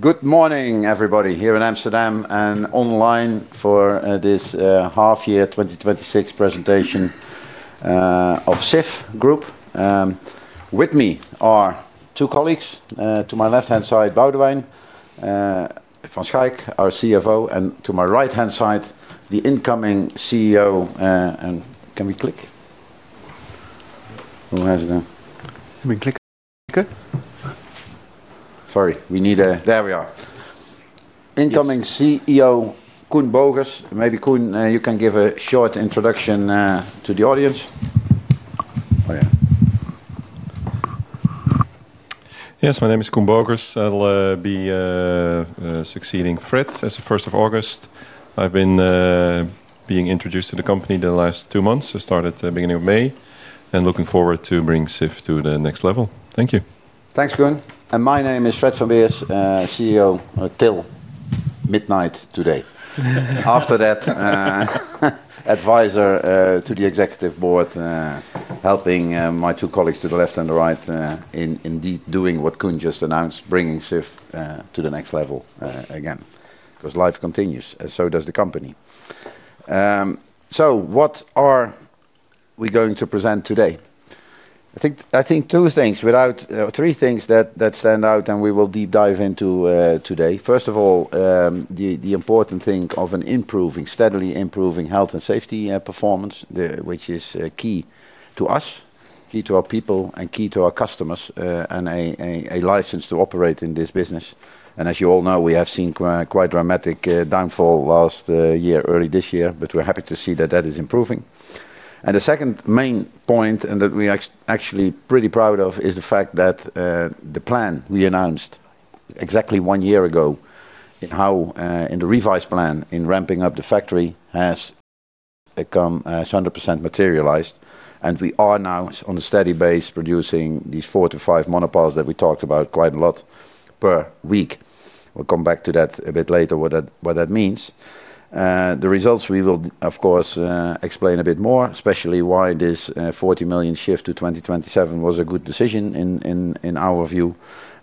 Good morning, everybody here in Amsterdam and online for this half-year 2026 presentation of Sif Holding. With me are two colleagues. To my left-hand side, Boudewijn van Schaïk, our CFO, and to my right-hand side, the incoming CEO. Can we click? Can we click? Sorry. There we are. Incoming CEO, Koen Bogers. Maybe, Koen, you can give a short introduction to the audience. Yes, my name is Koen Bogers. I'll be succeeding Fred as of the 1st of August. I've been being introduced to the company the last two months. I started the beginning of May and looking forward to bringing Sif to the next level. Thank you. Thanks, Koen. My name is Fred van Beers, CEO till midnight today. After that, advisor to the executive board, helping my two colleagues to the left and the right indeed doing what Koen just announced, bringing Sif to the next level again, because life continues, and so does the company. What are we going to present today? I think three things that stand out and we will deep dive into today. First of all, the important thing of a steadily improving health and safety performance, which is key to us, key to our people, and key to our customers, and a license to operate in this business. As you all know, we have seen quite dramatic downfall last year, early this year, but we're happy to see that that is improving. The second main point, and that we're actually pretty proud of, is the fact that the plan we announced exactly one year ago in the revised plan in ramping up the factory has 100% materialized, and we are now on a steady base producing these four to five monopiles that we talked about quite a lot per week. We'll come back to that a bit later what that means. The results, we will, of course, explain a bit more, especially why this 40 million shift to 2027 was a good decision in our view.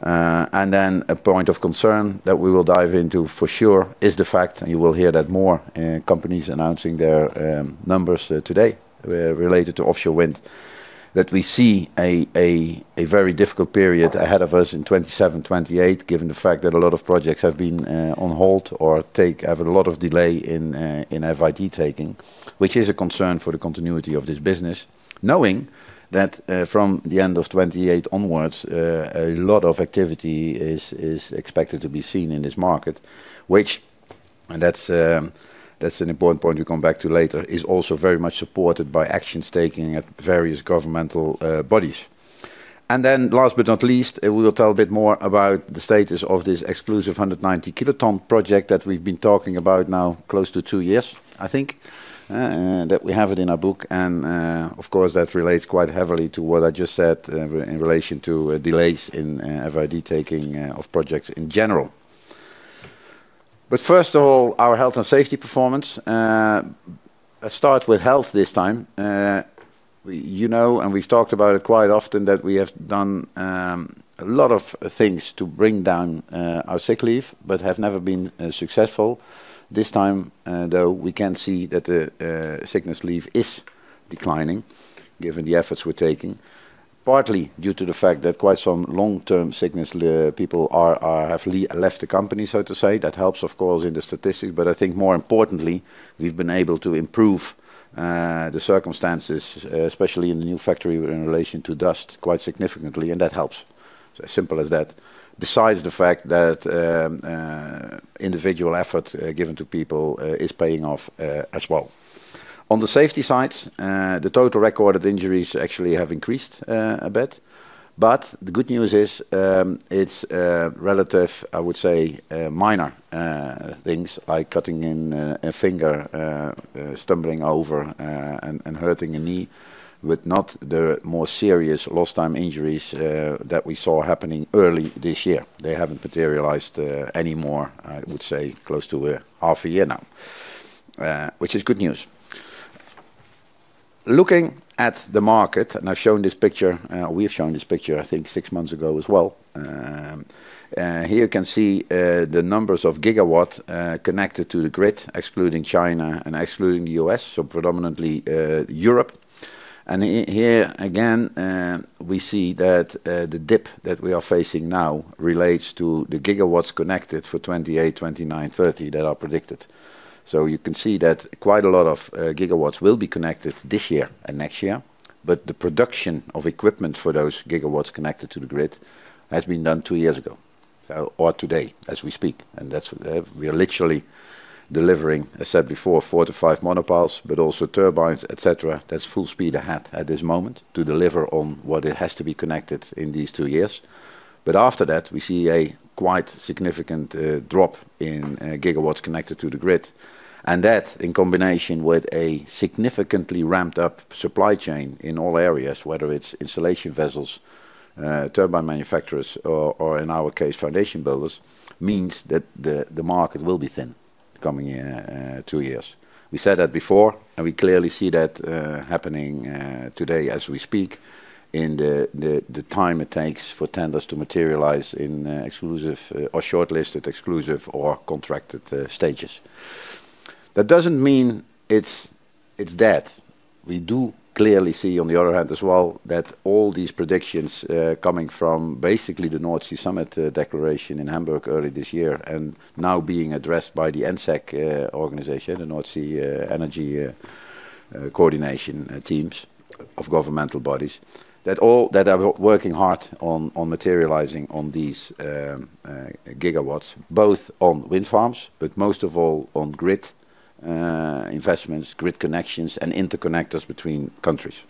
A point of concern that we will dive into for sure is the fact, and you will hear that more companies announcing their numbers today related to offshore wind, that we see a very difficult period ahead of us in 2027, 2028, given the fact that a lot of projects have been on hold or have a lot of delay in FID taking, which is a concern for the continuity of this business, knowing that from the end of 2028 onwards, a lot of activity is expected to be seen in this market, which, and that's an important point we'll come back to later, is also very much supported by actions taking at various governmental bodies. Last but not least, we will tell a bit more about the status of this exclusive 190-kiloton project that we've been talking about now close to two years, I think, that we have it in our book. Of course, that relates quite heavily to what I just said in relation to delays in FID taking of projects in general. First of all, our health and safety performance. I start with health this time. You know, we've talked about it quite often, that we have done a lot of things to bring down our sick leave but have never been successful. This time, though, we can see that the sickness leave is declining given the efforts we're taking, partly due to the fact that quite some long-term sickness people have left the company, so to say. That helps, of course, in the statistics. I think more importantly, we've been able to improve the circumstances, especially in the new factory in relation to dust, quite significantly, and that helps. It's as simple as that. Besides the fact that individual effort given to people is paying off as well. On the safety side, the total recorded injuries actually have increased a bit, but the good news is its relative, I would say, minor things like cutting in a finger, stumbling over, and hurting a knee, but not the more serious lost time injuries that we saw happening early this year. They haven't materialized anymore, I would say, close to half a year now, which is good news. Looking at the market, I've shown this picture, we've shown this picture, I think six months ago as well. Here you can see the numbers of gigawatts connected to the grid, excluding China and excluding the U.S., predominantly Europe. Here again, we see that the dip that we are facing now relates to the gigawatts connected for 2028, 2029, 2030 that are predicted. You can see that quite a lot of gigawatts will be connected this year and next year, but the production of equipment for those gigawatts connected to the grid has been done two years ago or today as we speak. We are literally delivering, as said before, four to five monopiles, but also turbines, et cetera. That's full speed ahead at this moment to deliver on what it has to be connected in these two years. After that, we see a quite significant drop in gigawatts connected to the grid. That, in combination with a significantly ramped-up supply chain in all areas, whether it's installation vessels, turbine manufacturers, or in our case, foundation builders, means that the market will be thin the coming two years. We said that before, and we clearly see that happening today as we speak in the time it takes for tenders to materialize in exclusive or shortlisted exclusive or contracted stages. That doesn't mean it's dead. We do clearly see, on the other hand as well, that all these predictions coming from basically the North Sea Summit declaration in Hamburg early this year and now being addressed by the NSEC organization, the North Sea Energy Coordination Teams of governmental bodies that are working hard on materializing on these gigawatts, both on wind farms, but most of all on grid investments, grid connections, and interconnectors between countries.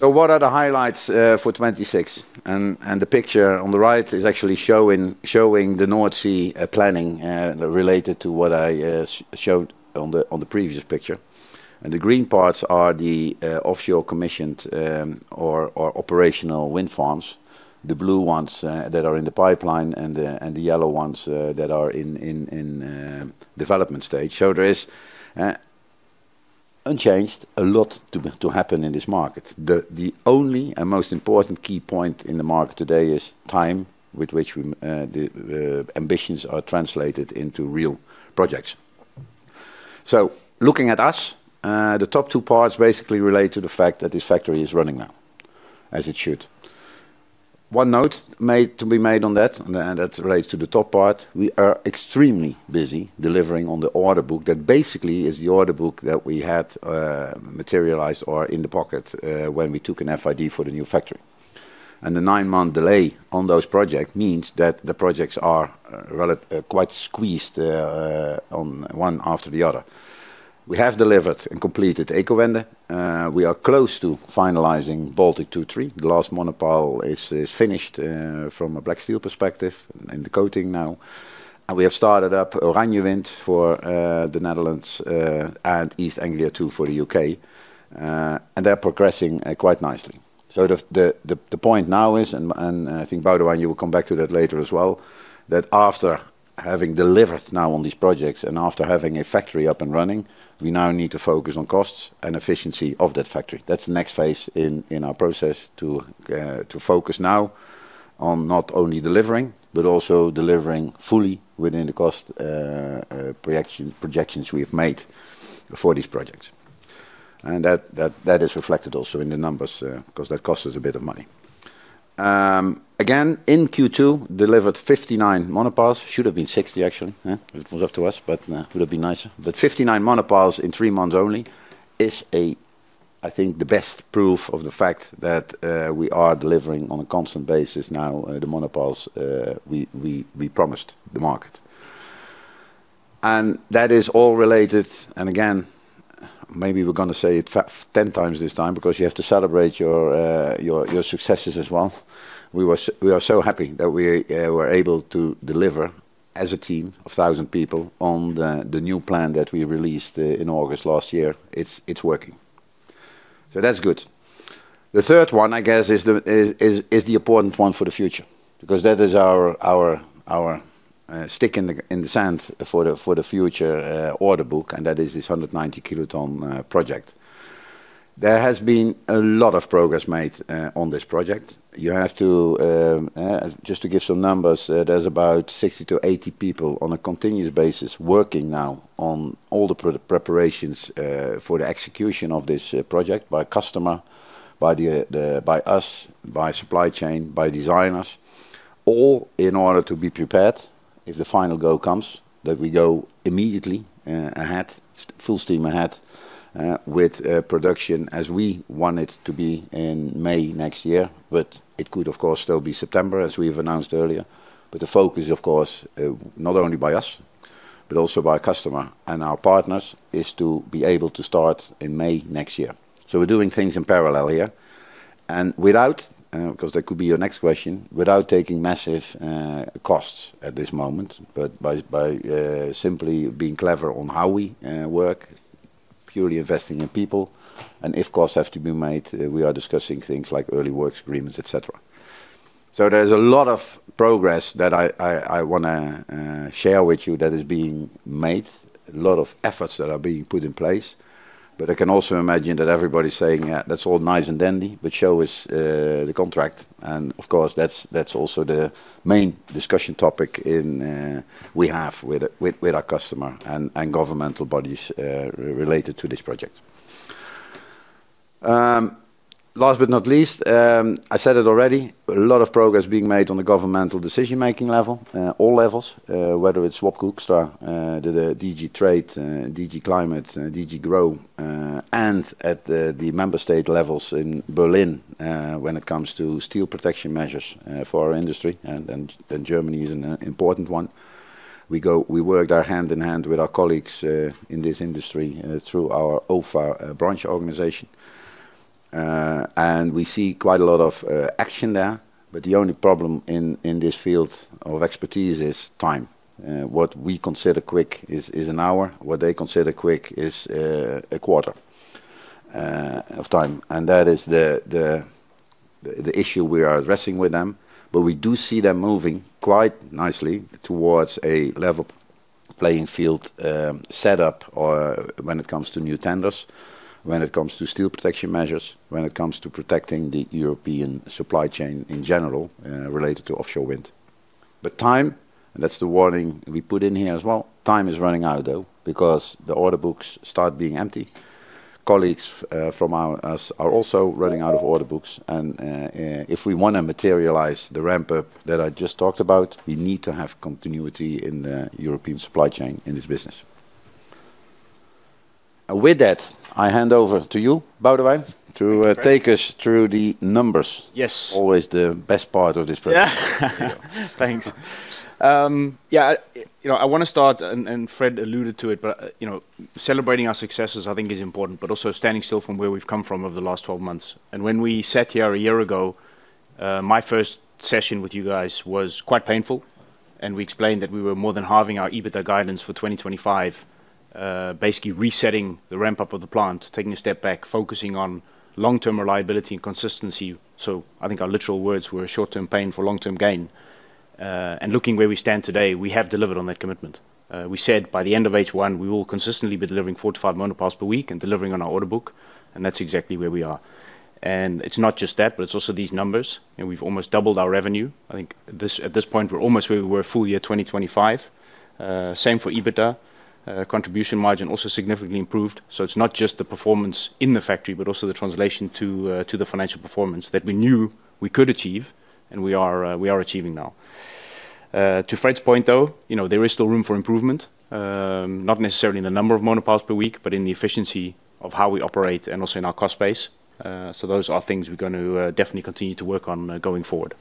What are the highlights for 2026? The picture on the right is actually showing the North Sea planning related to what I showed on the previous picture. The green parts are the offshore commissioned or operational wind farms, the blue ones that are in the pipeline, and the yellow ones that are in development stage. There is, unchanged, a lot to happen in this market. The only and most important key point in the market today is time, with which the ambitions are translated into real projects. Looking at us, the top two parts basically relate to the fact that this factory is running now, as it should. One note to be made on that, and that relates to the top part, we are extremely busy delivering on the order book. That basically is the order book that we had materialized or in the pocket when we took an FID for the new factory. The nine-month delay on those projects means that the projects are quite squeezed on one after the other. We have delivered and completed Ecowende. We are close to finalizing Baltyk 2 & 3. The last monopile is finished from a black steel perspective, in the coating now. We have started up OranjeWind for the Netherlands and East Anglia TWO for the U.K., and they're progressing quite nicely. The point now is, and I think, Boudewijn, you will come back to that later as well, that after having delivered now on these projects and after having a factory up and running, we now need to focus on costs and efficiency of that factory. That's the next phase in our process, to focus now on not only delivering, but also delivering fully within the cost projections we have made for these projects. That is reflected also in the numbers, because that cost us a bit of money. Again, in Q2, delivered 59 monopiles. Should've been 60, actually, if it was up to us, but would've been nicer. 59 monopiles in three months only is, I think, the best proof of the fact that we are delivering on a constant basis now the monopiles we promised the market. That is all related, and again, maybe we're going to say it 10 times this time, because you have to celebrate your successes as well. We are so happy that we were able to deliver as a team of 1,000 people on the new plan that we released in August last year. It's working. That's good. The third one, I guess, is the important one for the future, because that is our stick in the sand for the future order book, and that is this 190-kiloton project. There has been a lot of progress made on this project. Just to give some numbers, there's about 60-80 people on a continuous basis working now on all the preparations for the execution of this project by customer, by us, by supply chain, by designers, all in order to be prepared if the final go comes, that we go immediately ahead, full steam ahead, with production as we want it to be in May next year. It could, of course, still be September, as we've announced earlier. The focus, of course, not only by us, but also by customer and our partners, is to be able to start in May next year. We're doing things in parallel here. Without, because that could be your next question, without taking massive costs at this moment, but by simply being clever on how we work, purely investing in people. If costs have to be made, we are discussing things like early works agreements, et cetera. There's a lot of progress that I want to share with you that is being made, a lot of efforts that are being put in place. I can also imagine that everybody's saying, "Yeah, that's all nice and dandy, but show us the contract." Of course, that's also the main discussion topic we have with our customer and governmental bodies related to this project. Last but not least, I said it already, a lot of progress being made on the governmental decision-making level, all levels, whether it is Swabko Extra, the DG TRADE, DG CLIMA, DG GROW, and at the member state levels in Berlin when it comes to steel protection measures for our industry, and Germany is an important one. We worked hand-in-hand with our colleagues in this industry through our OFA branch organization. We see quite a lot of action there, but the only problem in this field of expertise is time. What we consider quick is an hour. What they consider quick is a quarter of time, and that is the issue we are addressing with them, but we do see them moving quite nicely towards a level playing field set up when it comes to new tenders, when it comes to steel protection measures, when it comes to protecting the European supply chain in general related to offshore wind. Time, and that is the warning we put in here as well, time is running out, though. Because the order books start being empty. Colleagues from us are also running out of order books, and if we want to materialize the ramp-up that I just talked about, we need to have continuity in the European supply chain in this business. With that, I hand over to you, Boudewijn, to take us through the numbers. Yes. Always the best part of this presentation. Thanks. I want to start, and Fred alluded to it. Celebrating our successes I think is important, but also standing still from where we have come from over the last 12 months. When we sat here a year ago, my first session with you guys was quite painful, and we explained that we were more than halving our EBITDA guidance for 2025. Basically resetting the ramp-up of the plant, taking a step back, focusing on long-term reliability and consistency. So I think our literal words were short-term pain for long-term gain. Looking where we stand today, we have delivered on that commitment. We said by the end of H1, we will consistently be delivering four to five monopiles per week and delivering on our order book, and that is exactly where we are. It is not just that, but it is also these numbers. We have almost doubled our revenue. I think at this point, we're almost where we were full year 2025. Same for EBITDA. Contribution margin also significantly improved. It's not just the performance in the factory, but also the translation to the financial performance that we knew we could achieve and we are achieving now. To Fred's point, though, there is still room for improvement. Not necessarily in the number of monopiles per week, but in the efficiency of how we operate and also in our cost base. Those are things we're going to definitely continue to work on going forward.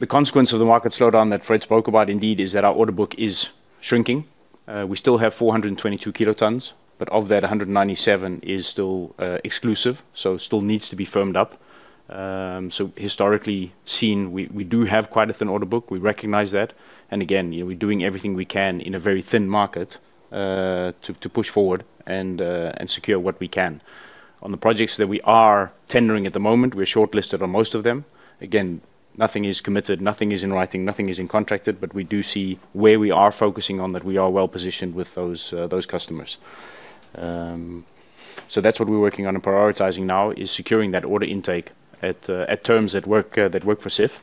The consequence of the market slowdown that Fred spoke about indeed is that our order book is shrinking. We still have 422 kilotons, but of that, 197 is still exclusive, so still needs to be firmed up. Historically seen, we do have quite a thin order book. We recognize that. Again, we're doing everything we can in a very thin market to push forward and secure what we can. On the projects that we are tendering at the moment, we're shortlisted on most of them. Again, nothing is committed, nothing is in writing, nothing is in contracted. But we do see where we are focusing on that we are well-positioned with those customers. So that's what we're working on and prioritizing now is securing that order intake at terms that work for Sif.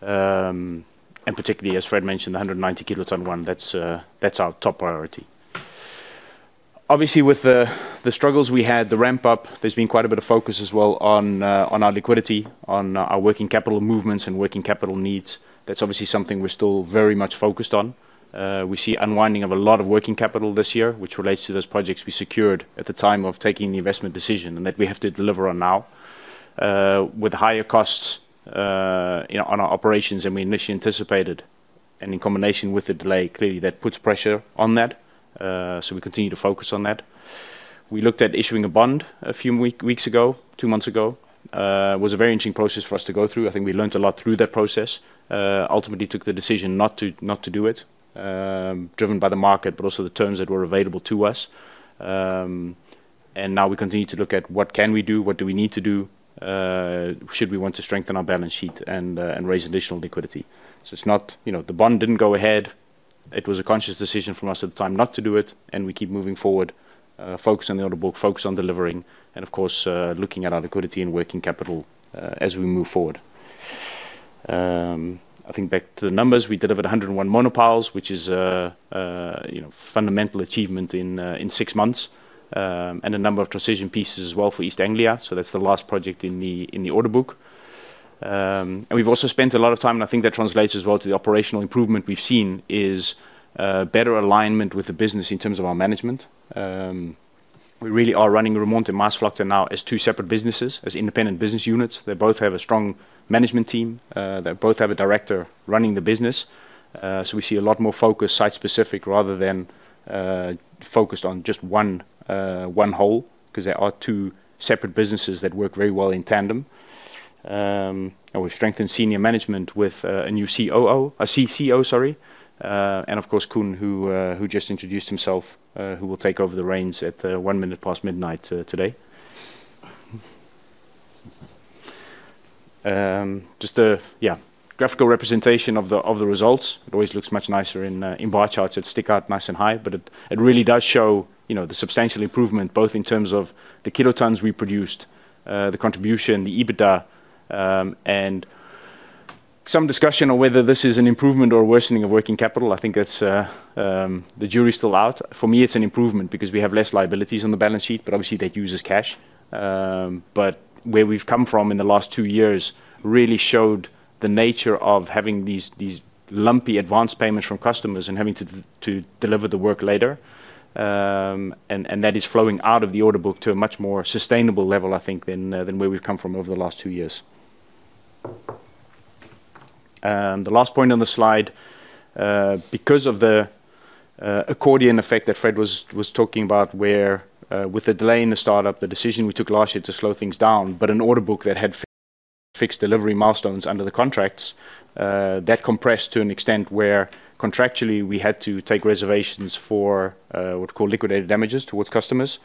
Particularly, as Fred mentioned, the 190-kiloton one, that's our top priority. Obviously, with the struggles we had, the ramp-up, there's been quite a bit of focus as well on our liquidity, on our working capital movements and working capital needs. That's obviously something we're still very much focused on. We see unwinding of a lot of working capital this year, which relates to those projects we secured at the time of taking the investment decision and that we have to deliver on now. With higher costs on our operations than we initially anticipated, and in combination with the delay, clearly that puts pressure on that. So we continue to focus on that. We looked at issuing a bond a few weeks ago, two months ago. It was a very interesting process for us to go through. I think we learnt a lot through that process. Ultimately took the decision not to do it, driven by the market, but also the terms that were available to us. Now we continue to look at what can we do, what do we need to do should we want to strengthen our balance sheet and raise additional liquidity. The bond didn't go ahead. It was a conscious decision from us at the time not to do it, and we keep moving forward, focus on the order book, focus on delivering, and of course, looking at our liquidity and working capital as we move forward. I think back to the numbers, we delivered 101 monopiles, which is a fundamental achievement in six months. A number of transition pieces as well for East Anglia. So that's the last project in the order book. We've also spent a lot of time, and I think that translates as well to the operational improvement we've seen, is better alignment with the business in terms of our management. We really are running Roermond and Maasvlakte now as two separate businesses, as independent business units. They both have a strong management team. They both have a director running the business. We see a lot more focus site-specific rather than focused on just one whole, because they are two separate businesses that work very well in tandem. We've strengthened senior management with a new COO. Of course, Koen, who just introduced himself, who will take over the reins at one minute past midnight today. Just a graphical representation of the results. It always looks much nicer in bar charts that stick out nice and high. It really does show the substantial improvement, both in terms of the kilotons we produced, the contribution, the EBITDA. Some discussion on whether this is an improvement or worsening of working capital. I think the jury's still out. For me, it's an improvement because we have less liabilities on the balance sheet, but obviously that uses cash. Where we've come from in the last two years really showed the nature of having these lumpy advanced payments from customers and having to deliver the work later. That is flowing out of the order book to a much more sustainable level, I think, than where we've come from over the last two years. The last point on the slide. Because of the accordion effect that Fred was talking about, where with the delay in the startup, the decision we took last year to slow things down, but an order book that had fixed delivery milestones under the contracts, that compressed to an extent where contractually we had to take reservations for what are called liquidated damages towards customers.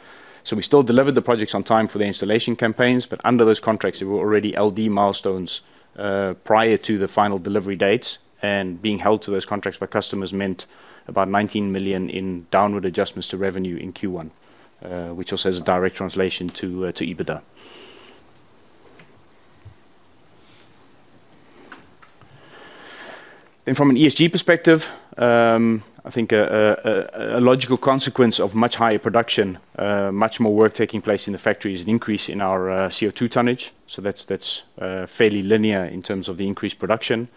We still delivered the projects on time for the installation campaigns, under those contracts, there were already LD milestones prior to the final delivery dates, and being held to those contracts by customers meant about 19 million in downward adjustments to revenue in Q1, which also has a direct translation to EBITDA. From an ESG perspective, I think a logical consequence of much higher production, much more work taking place in the factory is an increase in our CO2 tonnage. That's fairly linear in terms of the increased production.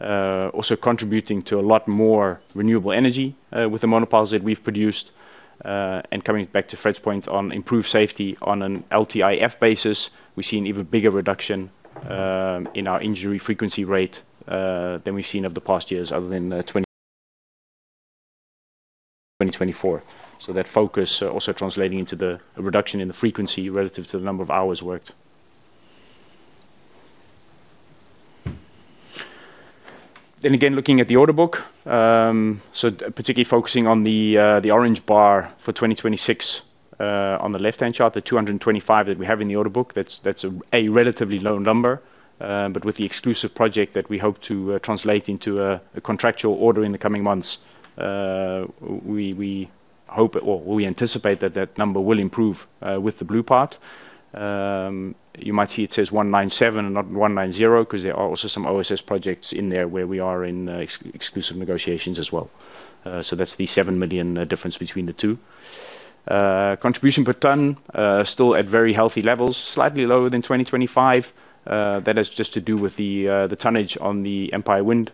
Also contributing to a lot more renewable energy with the monopiles that we've produced. Coming back to Fred's point on improved safety on an LTIF basis, we've seen even bigger reduction in our injury frequency rate than we've seen over the past years other than 2024. That focus also translating into the reduction in the frequency relative to the number of hours worked. Again, looking at the order book, particularly focusing on the orange bar for 2026, on the left-hand chart, the 225 that we have in the order book, that's a relatively low number. With the exclusive project that we hope to translate into a contractual order in the coming months, we hope or we anticipate that that number will improve with the blue part. You might see it says 197 and not 190, because there are also some OSS projects in there where we are in exclusive negotiations as well. That's the 7 million difference between the two. Contribution per ton, still at very healthy levels, slightly lower than 2025. That has just to do with the tonnage on the Empire Wind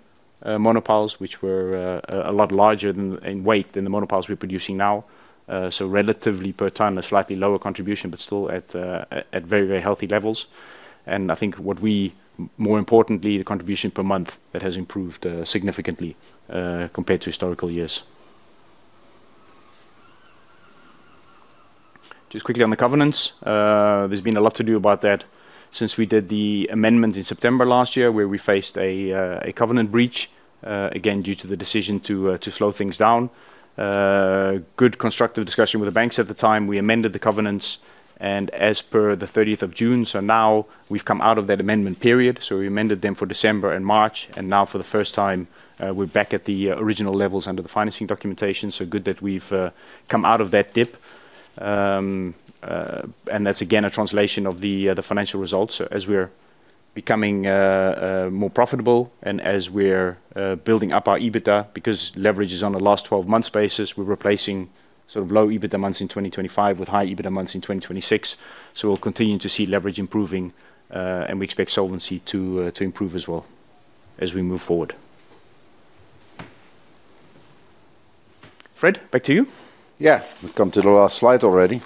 monopiles, which were a lot larger in weight than the monopiles we're producing now. Relatively per ton, a slightly lower contribution, but still at very, very healthy levels. I think what we, more importantly, the contribution per month, that has improved significantly compared to historical years. Quickly on the covenants. There's been a lot to do about that since we did the amendment in September last year, where we faced a covenant breach, again, due to the decision to slow things down. Good constructive discussion with the banks at the time. We amended the covenants as per the 30th of June. Now we've come out of that amendment period. We amended them for December and March. Now for the first time, we're back at the original levels under the financing documentation. Good that we've come out of that dip. That's again, a translation of the financial results as we're becoming more profitable and as we're building up our EBITDA, because leverage is on a last 12 months basis. We're replacing low EBITDA months in 2025 with high EBITDA months in 2026. We'll continue to see leverage improving, and we expect solvency to improve as well as we move forward. Fred, back to you. We've come to the last slide already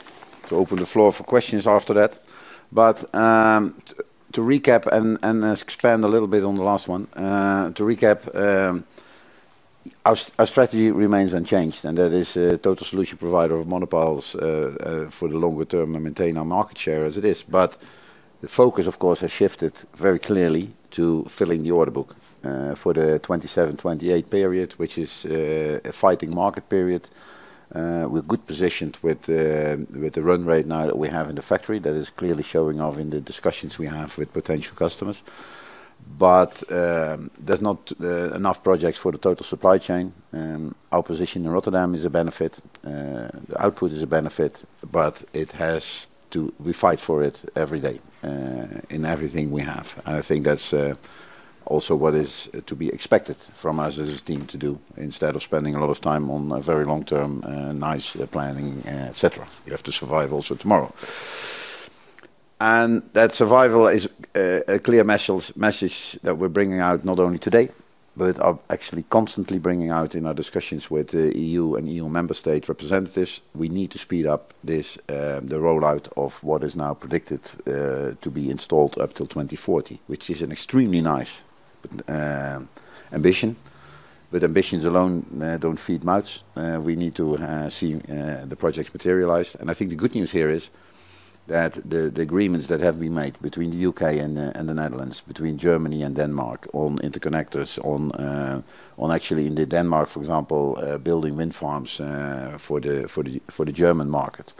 to open the floor for questions after that. To recap and expand a little bit on the last one. To recap, our strategy remains unchanged, and that is a total solution provider of monopiles for the longer term and maintain our market share as it is. The focus, of course, has shifted very clearly to filling the order book for the 2027, 2028 period, which is a fighting market period. We're good positioned with the run rate now that we have in the factory. That is clearly showing off in the discussions we have with potential customers. There's not enough projects for the total supply chain. Our position in Rotterdam is a benefit. The output is a benefit, but we fight for it every day in everything we have. I think that's also what is to be expected from us as a team to do instead of spending a lot of time on a very long-term, nice planning, et cetera. You have to survive also tomorrow. That survival is a clear message that we're bringing out not only today but are actually constantly bringing out in our discussions with the EU and EU member state representatives. We need to speed up the rollout of what is now predicted to be installed up till 2040, which is an extremely nice ambition. Ambitions alone don't feed mouths. We need to see the projects materialized. I think the good news here is that the agreements that have been made between the U.K. and the Netherlands, between Germany and Denmark on interconnectors, on actually in the Denmark, for example, building wind farms for the German market,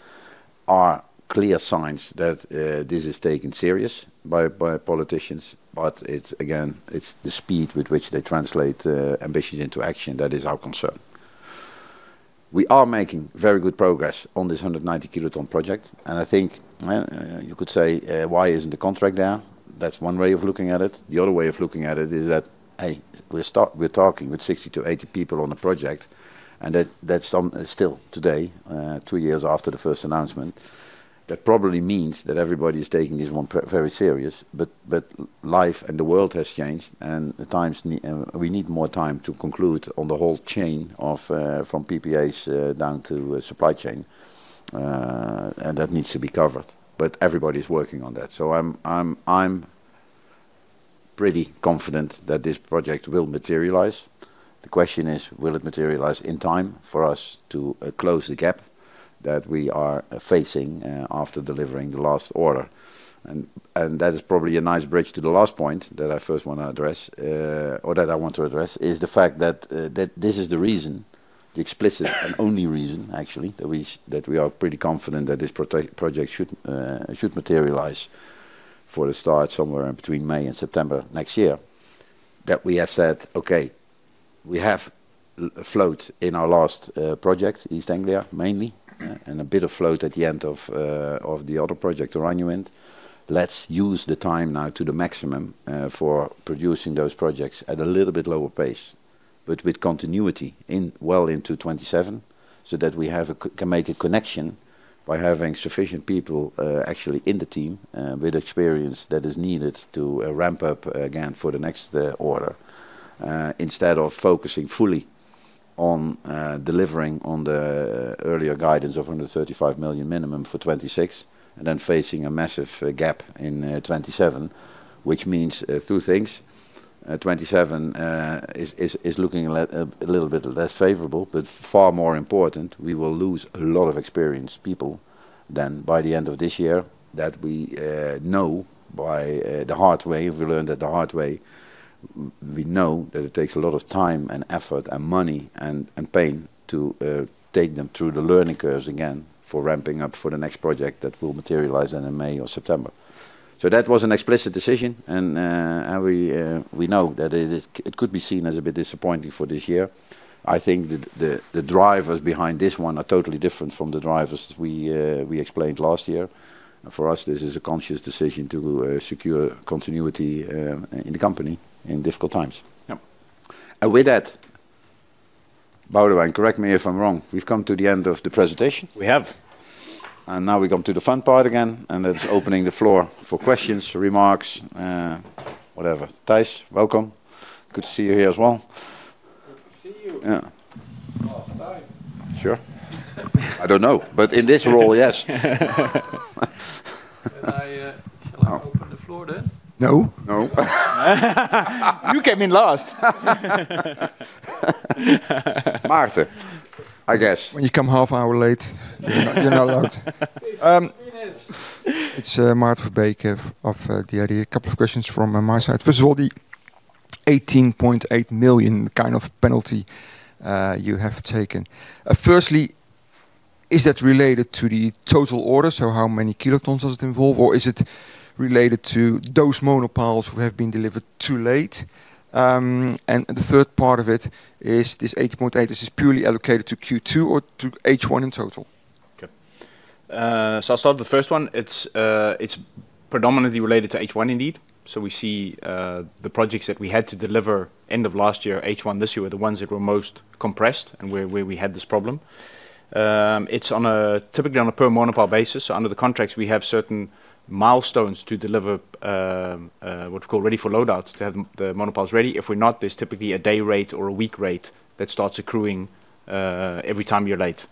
are clear signs that this is taken serious by politicians. Again, it's the speed with which they translate ambitions into action that is our concern. We are making very good progress on this 190-kiloton project, and I think you could say, "Why isn't the contract there?" That's one way of looking at it. The other way of looking at it is that, hey, we're talking with 60 to 80 people on the project, and that's still today, two years after the first announcement. That probably means that everybody is taking this one very serious. Life and the world has changed, and we need more time to conclude on the whole chain from PPAs down to supply chain. That needs to be covered, but everybody's working on that. Pretty confident that this project will materialize. The question is, will it materialize in time for us to close the gap that we are facing after delivering the last order? That is probably a nice bridge to the last point that I first want to address, or that I want to address, is the fact that this is the reason, the explicit and only reason, actually, that we are pretty confident that this project should materialize for the start somewhere between May and September next year. That we have said, okay, we have float in our last project, East Anglia, mainly, and a bit of float at the end of the other project, OranjeWind. Let's use the time now to the maximum for producing those projects at a little bit lower pace, but with continuity well into 2027, so that we can make a connection by having sufficient people actually in the team with experience that is needed to ramp up again for the next order. Instead of focusing fully on delivering on the earlier guidance of 135 million minimum for 2026, and then facing a massive gap in 2027, which means two things. 2027 is looking a little bit less favorable, but far more important, we will lose a lot of experienced people then by the end of this year that we know by the hard way, we learned it the hard way. We know that it takes a lot of time and effort and money and pain to take them through the learning curves again for ramping up for the next project that will materialize then in May or September. That was an explicit decision, and we know that it could be seen as a bit disappointing for this year. I think that the drivers behind this one are totally different from the drivers we explained last year. For us, this is a conscious decision to secure continuity in the company in difficult times. Yep. With that, Boudewijn, correct me if I'm wrong, we've come to the end of the presentation. We have. Now we come to the fun part again, and that's opening the floor for questions, remarks, whatever. Thijs, welcome. Good to see you here as well. Good to see you. Yeah. Last time. Sure. I don't know. In this role, yes. Shall I open the floor then? No. No. You came in last. Maarten, I guess. When you come half hour late, you're not allowed. It's Maarten Verbeek of The Idea. A couple of questions from my side. First of all, the 18.8 million kind of penalty you have taken. Firstly, is that related to the total order, so how many kilotons does it involve, or is it related to those monopiles who have been delivered too late? The third part of it is this 18.8, this is purely allocated to Q2 or to H1 in total? Okay. I'll start with the first one. It's predominantly related to H1, indeed. We see the projects that we had to deliver end of last year, H1 this year, were the ones that were most compressed and where we had this problem. It's typically on a per monopile basis. Under the contracts, we have certain milestones to deliver, what we call ready for load out, to have the monopiles ready. If we're not, there's typically a day rate or a week rate that starts accruing every time you're late.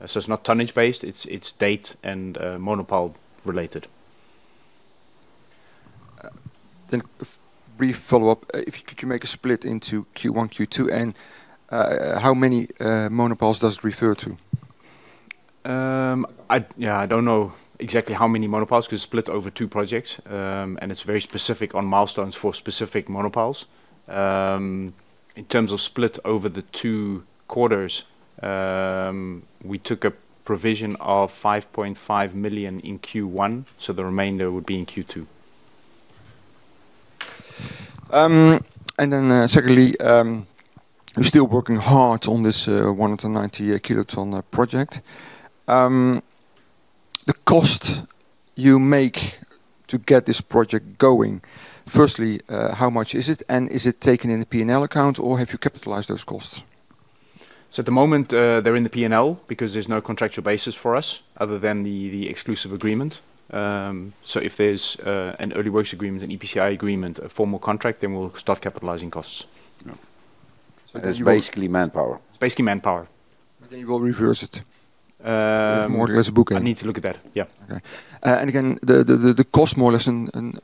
It's not tonnage-based, it's date and monopile related. A brief follow-up. Could you make a split into Q1, Q2, and how many monopiles does it refer to? I don't know exactly how many monopiles because it's split over two projects. It's very specific on milestones for specific monopiles. In terms of split over the two quarters, we took a provision of 5.5 million in Q1. The remainder would be in Q2. Secondly, you're still working hard on this 190-kiloton project. The cost you make to get this project going, firstly, how much is it? Is it taken in the P&L account, or have you capitalized those costs? At the moment, they're in the P&L because there's no contractual basis for us other than the exclusive agreement. If there's an early works agreement, an EPCI agreement, a formal contract, we'll start capitalizing costs. Yeah. It's basically manpower. It's basically manpower. You will reverse it. More or less bookend. I need to look at that. Yeah. Okay. Again, the cost, more or less in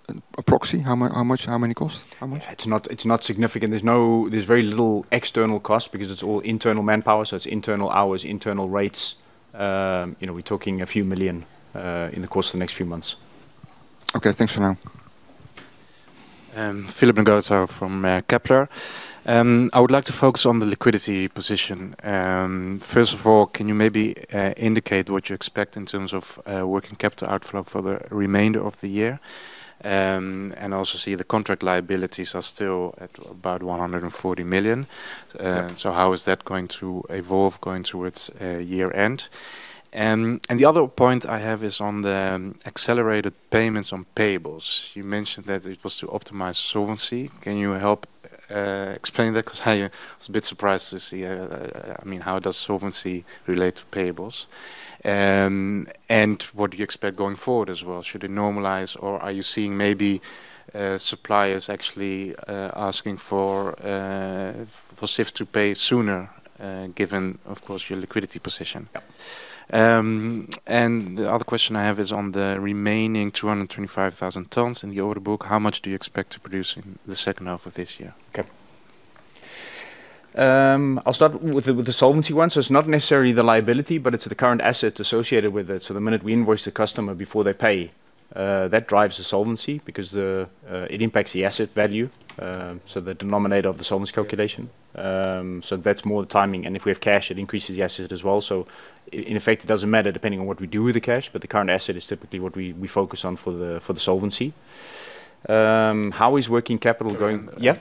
proxy, how many costs? How much? It's not significant. There's very little external cost because it's all internal manpower, so it's internal hours, internal rates. We're talking a few million in the course of the next few months. Okay. Thanks for now. Philip Ngotho from Kepler. I would like to focus on the liquidity position. Can you maybe indicate what you expect in terms of working capital outflow for the remainder of the year? Also see the contract liabilities are still at about 140 million. Yep. How is that going to evolve going towards year-end? The other point I have is on the accelerated payments on payables. You mentioned that it was to optimize solvency. Can you help explain that? I was a bit surprised to see; how does solvency relate to payables? What do you expect going forward as well? Should it normalize, or are you seeing maybe suppliers actually asking for Sif to pay sooner, given, of course, your liquidity position? Yep. The other question I have is on the remaining 225,000 tons in the order book, how much do you expect to produce in the second half of this year? Okay I will start with the solvency one. It is not necessarily the liability, but it is the current asset associated with it. The minute we invoice the customer before they pay, that drives the solvency because it impacts the asset value, the denominator of the solvency calculation. That is more the timing. If we have cash, it increases the asset as well. In effect, it doesn't matter depending on what we do with the cash, but the current asset is typically what we focus on for the solvency. How is working capital going? Yeah.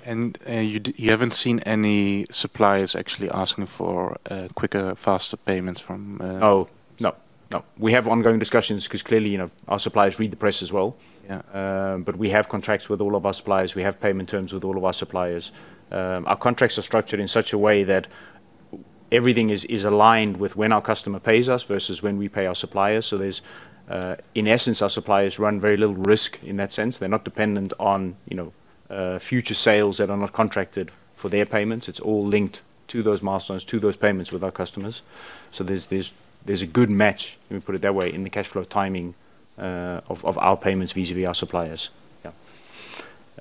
You haven't seen any suppliers actually asking for quicker, faster payments from- Oh, no. We have ongoing discussions because clearly, our suppliers read the press as well. Yeah. We have contracts with all of our suppliers. We have payment terms with all of our suppliers. Our contracts are structured in such a way that everything is aligned with when our customer pays us versus when we pay our suppliers. There's, in essence, our suppliers run very little risk in that sense. They're not dependent on future sales that are not contracted for their payments. It's all linked to those milestones, to those payments with our customers. There's a good match, let me put it that way, in the cash flow timing of our payments vis-a-vis our suppliers.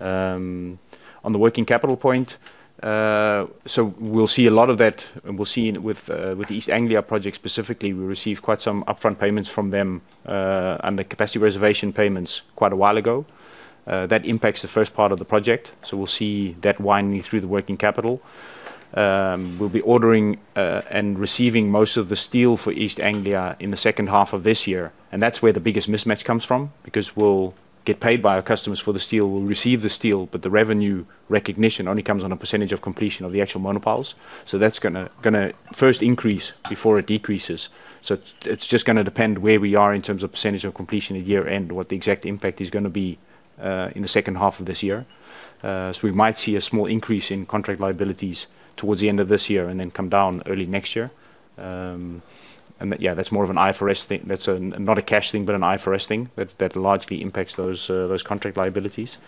On the working capital point, we'll see a lot of that, and we'll see with the East Anglia project specifically, we received quite some upfront payments from them under capacity reservation payments quite a while ago. That impacts the first part of the project. We'll see that winding through the working capital. We'll be ordering and receiving most of the steel for East Anglia in the second half of this year, and that's where the biggest mismatch comes from because we'll get paid by our customers for the steel. We'll receive the steel, but the revenue recognition only comes on a percentage of completion of the actual monopiles. That's going to first increase before it decreases. It's just going to depend where we are in terms of percentage of completion at year-end, what the exact impact is going to be in the second half of this year. We might see a small increase in contract liabilities towards the end of this year and then come down early next year. That's more of an IFRS thing. That's not a cash thing, an IFRS thing that largely impacts those contract liabilities.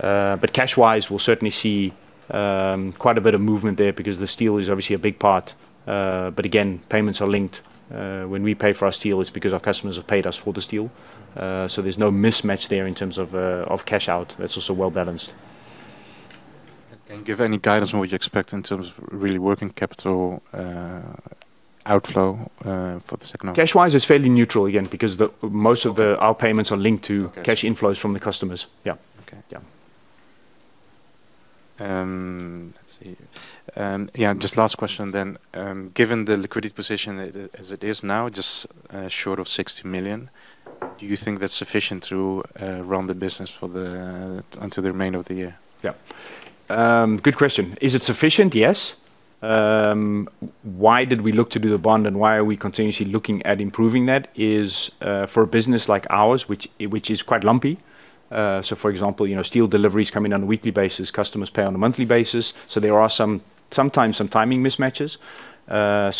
Cash-wise, we'll certainly see quite a bit of movement there because the steel is obviously a big part. Again, payments are linked. When we pay for our steel, it's because our customers have paid us for the steel. There's no mismatch there in terms of cash out. That's also well-balanced. Give any guidance on what you expect in terms of really working capital outflow for the second half. Cash-wise, it's fairly neutral again, because most of our payments are linked to cash inflows from the customers. Yeah. Okay. Yeah. Let's see. Yeah, just last question then. Given the liquidity position as it is now, just short of 60 million, do you think that's sufficient to run the business until the remainder of the year? Yeah. Good question. Is it sufficient? Yes. Why did we look to do the bond and why are we continuously looking at improving that is for a business like ours, which is quite lumpy. For example, steel deliveries come in on a weekly basis, customers pay on a monthly basis. There are sometimes some timing mismatches. A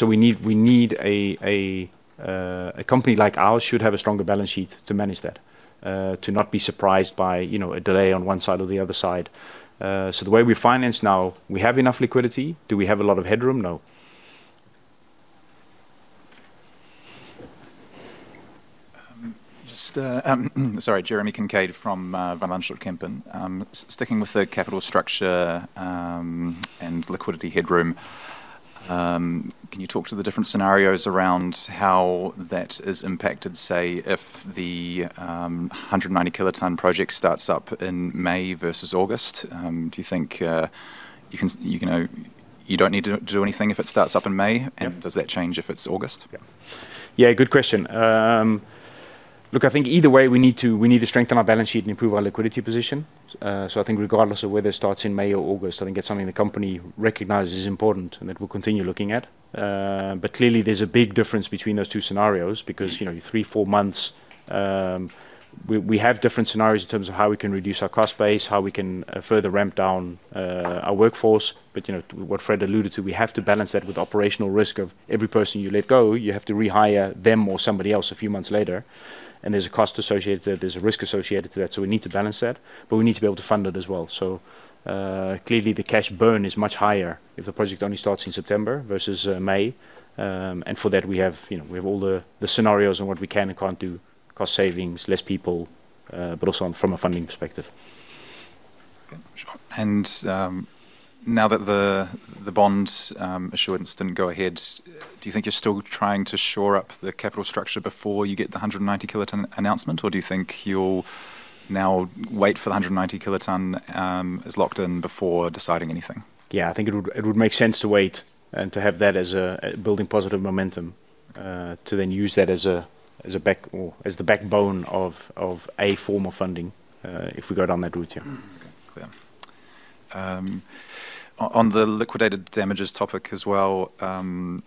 company like ours should have a stronger balance sheet to manage that, to not be surprised by a delay on one side or the other side. The way we finance now, we have enough liquidity. Do we have a lot of headroom? No. Sorry, Jeremy Kincaid from Van Lanschot Kempen. Sticking with the capital structure and liquidity headroom, can you talk to the different scenarios around how that is impacted, say, if the 190-kiloton project starts up in May versus August? Do you think you don't need to do anything if it starts up in May? Yeah. Does that change if it's August? Good question. I think either way, we need to strengthen our balance sheet and improve our liquidity position. I think regardless of whether it starts in May or August, I think that's something the company recognizes is important and that we'll continue looking at. Clearly, there's a big difference between those two scenarios because three, four months, we have different scenarios in terms of how we can reduce our cost base, how we can further ramp down our workforce. What Fred alluded to, we have to balance that with operational risk of every person you let go, you have to rehire them or somebody else a few months later, and there's a cost associated to that. There's a risk associated to that. We need to balance that, but we need to be able to fund it as well. Clearly, the cash burn is much higher if the project only starts in September versus May. For that, we have all the scenarios on what we can and can't do, cost savings, less people, but also from a funding perspective. Okay, sure. Now that the bonds issuance didn't go ahead, do you think you're still trying to shore up the capital structure before you get the 190-kiloton announcement? Or do you think you'll now wait for the 190 kiloton is locked in before deciding anything? Yeah, I think it would make sense to wait and to have that as building positive momentum to then use that as the backbone of a form of funding if we go down that route, yeah. Okay, clear. On the liquidated damages topic as well, 19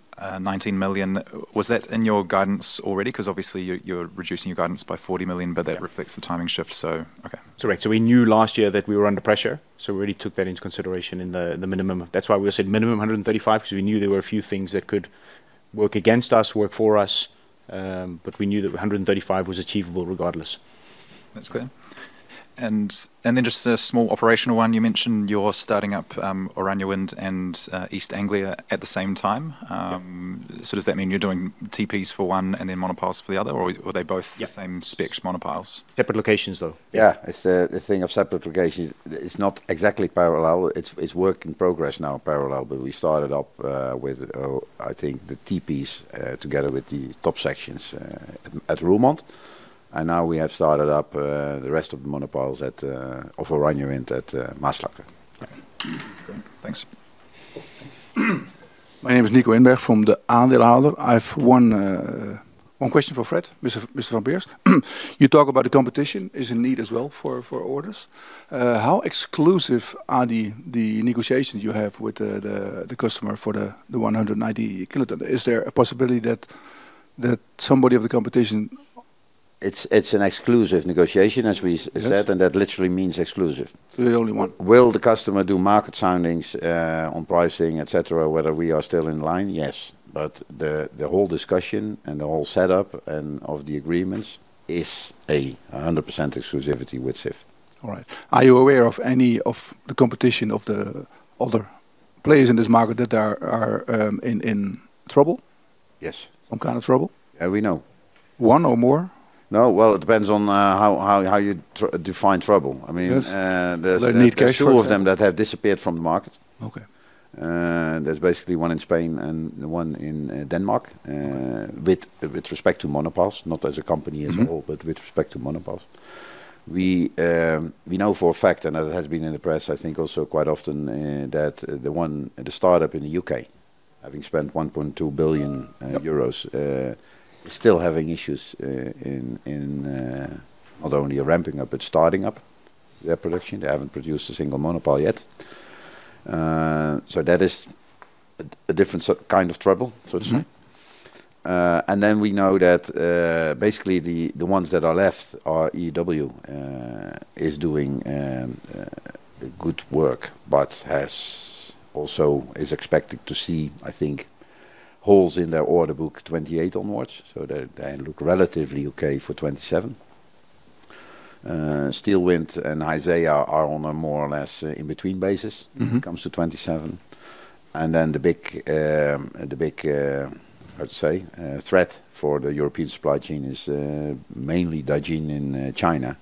million, was that in your guidance already? Because obviously, you're reducing your guidance by 40 million, but that reflects the timing shift, so okay. That's correct. We knew last year that we were under pressure, so we already took that into consideration in the minimum. That's why we said minimum 135, because we knew there were a few things that could work against us, work for us, but we knew that 135 was achievable regardless. That's clear. Just a small operational one. You mentioned you're starting up Oranjewind and East Anglia at the same time. Yep. Does that mean you're doing TPs for one and then monopiles for the other, or are they both- Yeah. The same spec monopiles? Separate locations, though. Yeah. It's the thing of separate locations. It's not exactly parallel. It's work in progress now parallel. We started up with, I think, the TPs together with the top sections at Roermond, and now we have started up the rest of the monopiles of OranjeWind at Maasvlakte. Okay, cool. Thanks. My name is Nico Inberg from De Aandeelhouder. I've one question for Fred van Beers. You talk about the competition is a need as well for orders. How exclusive are the negotiations you have with the customer for the 190 kiloton? Is there a possibility that somebody of the competition It's an exclusive negotiation, as we said. That literally means exclusive. The only one. Will the customer do market soundings, on pricing, et cetera, whether we are still in line? Yes, the whole discussion and the whole setup of the agreements is 100% exclusivity with Sif. All right. Are you aware of any of the competition of the other players in this market that are in trouble? Yes. Some kind of trouble? Yeah, we know. One or more? No. Well, it depends on how you define trouble. Yes. There's- They need cash flow. A few of them that have disappeared from the market. Okay. There's basically one in Spain and one in Denmark. Okay. With respect to monopiles, not as a company as a whole. With respect to monopiles. We know for a fact, and it has been in the press, I think, also quite often, that the startup in the U.K., having spent 1.2 billion euros Yep The startup in the U.K. is still having issues in not only ramping up but starting up their production. They haven't produced a single monopile yet. That is a different kind of trouble, so to say. We know that basically the ones that are left are EEW, is doing good work, but also is expected to see, I think, holes in their order book 2028 onwards, so they look relatively okay for 2027. Steelwind and Haizea are on a more or less in between basis. When it comes to 2027. The big, how to say, threat for the European supply chain is mainly Dajin in China,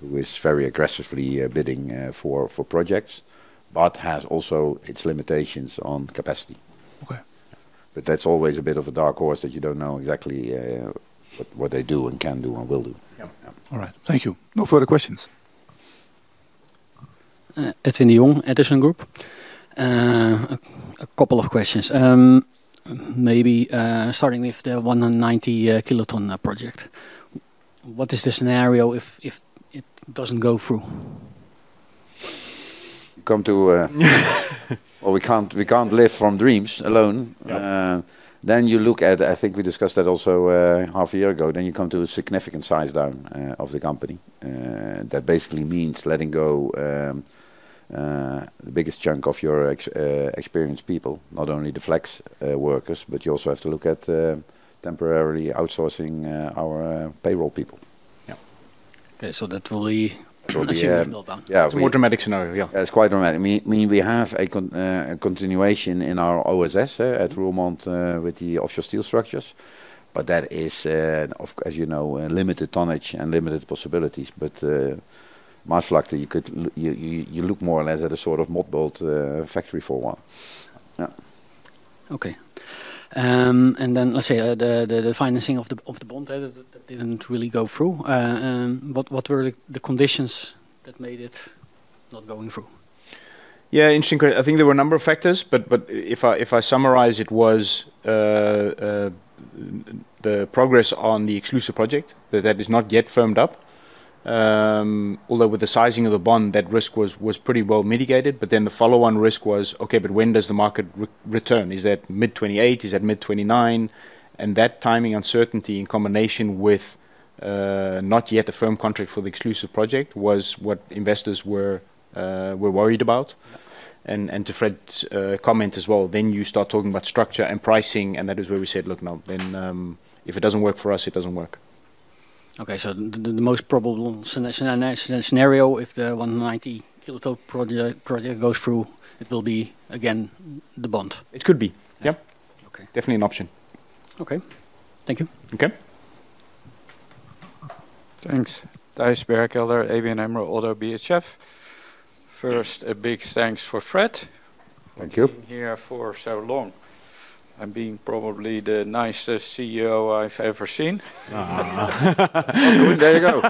who is very aggressively bidding for projects but has also its limitations on capacity. Okay. That's always a bit of a dark horse that you don't know exactly what they do and can do and will do. Yeah. All right. Thank you. No further questions. Etty Nyong, Edison Group. A couple of questions. Maybe starting with the 190-kiloton project. What is the scenario if it doesn't go through? Come to Well, we can't live from dreams alone. Yep. You look at, I think we discussed that also half a year ago, then you come to a significant size down of the company. That basically means letting go the biggest chunk of your experienced people, not only the flex workers, but you also have to look at temporarily outsourcing our payroll people. Yep. Okay, that will be. It will be, yeah Assuming it's not done. It's a more dramatic scenario, yeah. It's quite dramatic. Meaning we have a continuation in our OSS at Roermond, with the offshore steel structures. That is, as you know, limited tonnage and limited possibilities, Maasvlakte, you look more or less at a sort of mothball factory for one. Yeah. Okay. Then let's say, the financing of the bond that didn't really go through, what were the conditions that made it not going through? Yeah, interesting. I think there were a number of factors, if I summarize, it was the progress on the exclusive project that is not yet firmed up. Although with the sizing of the bond, that risk was pretty well mitigated, then the follow-on risk was, okay, when does the market return? Is that mid 2028? Is that mid 2029? That timing uncertainty in combination with not yet a firm contract for the exclusive project was what investors were worried about. Yeah. To Fred's comment as well, then you start talking about structure and pricing, and that is where we said, "Look, no. Then if it doesn't work for us, it doesn't work. The most probable scenario, if the 190-kiloton project goes through, it will be again the bond. It could be. Yes. Okay. Definitely an option. Okay. Thank you. Okay. Thanks. Thijs Berkelder, ABN AMRO, also BHF. First, a big thanks for Fred. Thank you Being here for so long and being probably the nicest CEO I've ever seen. There you go.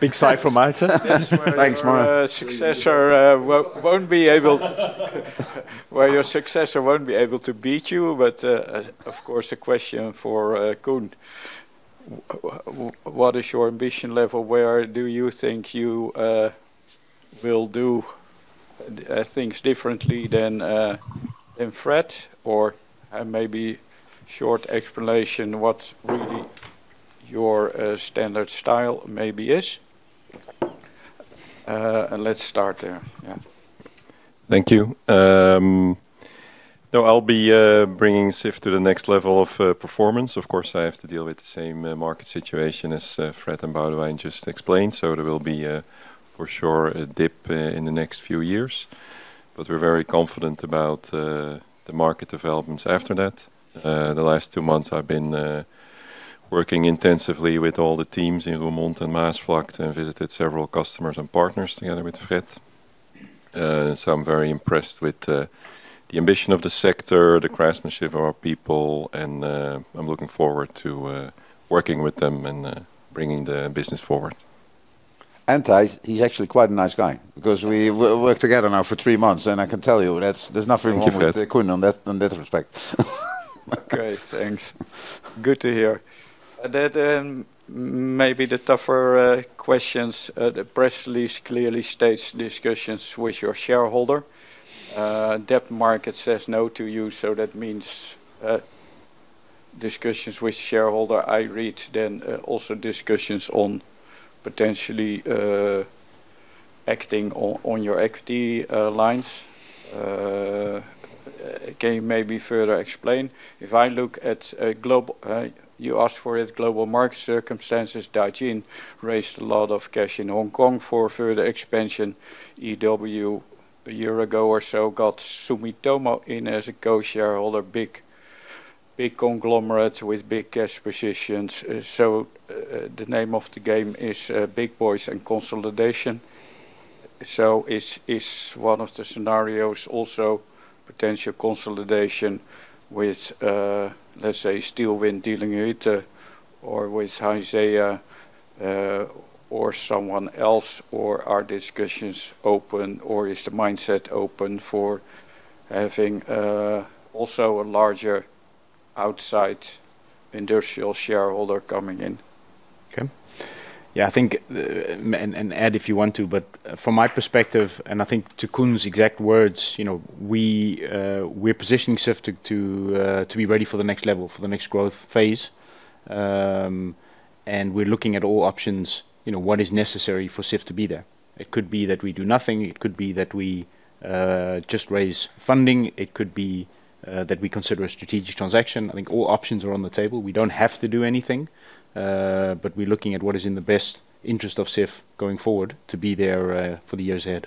Big sigh from Maarten. Thanks, Maarten. That's where your successor won't be able to beat you. Of course, a question for Koen. What is your ambition level? Where do you think you will do things differently than Fred? Maybe short explanation, what's really your standard style maybe is? Let's start there. Yeah Thank you. Though I'll be bringing Sif to the next level of performance, of course, I have to deal with the same market situation as Fred and Boudewijn just explained. There will be, for sure, a dip in the next few years. We're very confident about the market developments after that. The last two months, I've been working intensively with all the teams in Roermond and Maasvlakte and visited several customers and partners together with Fred. I'm very impressed with the ambition of the sector, the craftsmanship of our people, and I'm looking forward to working with them and bringing the business forward. He's actually quite a nice guy because we worked together now for three months, and I can tell you, there's nothing wrong. Thank you, Fred. With Koen on that respect. Okay, thanks. Good to hear. That may be the tougher questions. The press release clearly states discussions with your shareholder. Debt market says no to you, that means discussions with shareholder. I read also discussions on potentially acting on your equity lines. Can you maybe further explain? If I look at global, you asked for it, global market circumstances, Dajin raised a lot of cash in Hong Kong for further expansion. EEW, a year ago or so, got Sumitomo in as a co-shareholder, big conglomerates with big cash positions. The name of the game is big boys and consolidation. Is one of the scenarios also potential consolidation with, let's say, Steelwind, Dillinger Hütte or with Haizea, or someone else? Are discussions open or is the mindset open for having, also a larger outside industrial shareholder coming in? Okay. Yeah, I think, and add if you want to, but from my perspective, and I think to Koen's exact words, we're positioning Sif to be ready for the next level, for the next growth phase. We're looking at all options, what is necessary for Sif to be there. It could be that we do nothing. It could be that we just raise funding. It could be that we consider a strategic transaction. I think all options are on the table. We don't have to do anything. We're looking at what is in the best interest of Sif going forward to be there for the years ahead.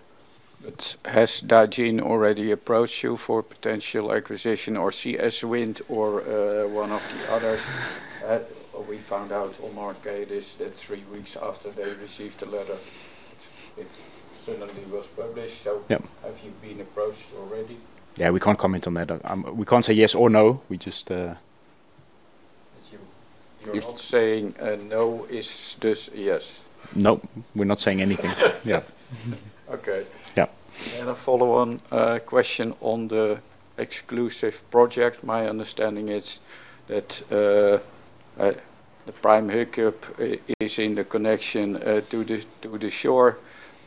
Has Dajin already approached you for potential acquisition or CS Wind or one of the others? We found out on MarketScreener that three weeks after they received the letter, it suddenly was published. Yep. Have you been approached already? Yeah, we can't comment on that. We can't say yes or no. You're not saying a no is thus a yes? Nope. We're not saying anything. Yeah. Okay. Yeah. A follow-on question on the exclusive project. My understanding is that, the prime hiccup is in the connection to the shore,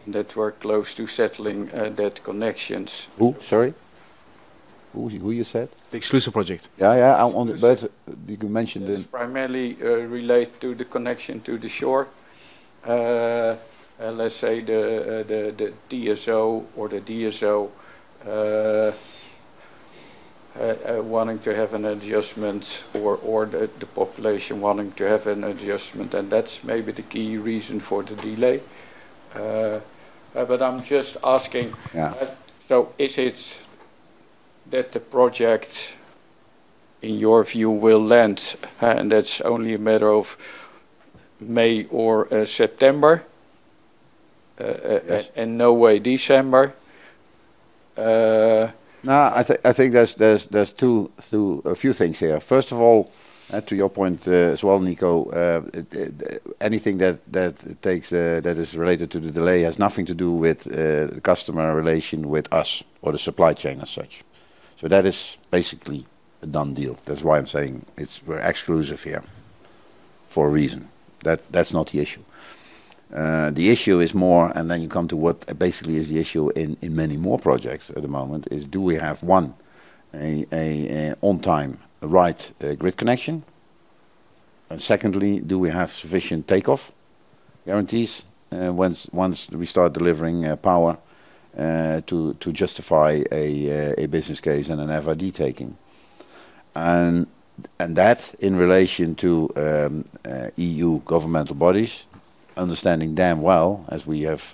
that we're close to settling that connection. Who, sorry? Who, you said? The exclusive project. Yeah. You mentioned. This primarily relate to the connection to the shore. Let's say the TSO or the TSO wanting to have an adjustment or the population wanting to have an adjustment, that's maybe the key reason for the delay. I'm just. Yeah. Is it that the project, in your view, will land, that's only a matter of May or September? Yes. No way December? No, I think there's a few things here. First of all, to your point as well, Nico, anything that is related to the delay has nothing to do with customer relation with us or the supply chain as such. That is basically a done deal. That's why I'm saying it's very exclusive here for a reason. That's not the issue. The issue is more, then you come to what basically is the issue in many more projects at the moment, is do we have, one, a on-time right grid connection? Secondly, do we have sufficient takeoff guarantees once we start delivering power to justify a business case and an FID taking? That in relation to EU governmental bodies understanding damn well, as we have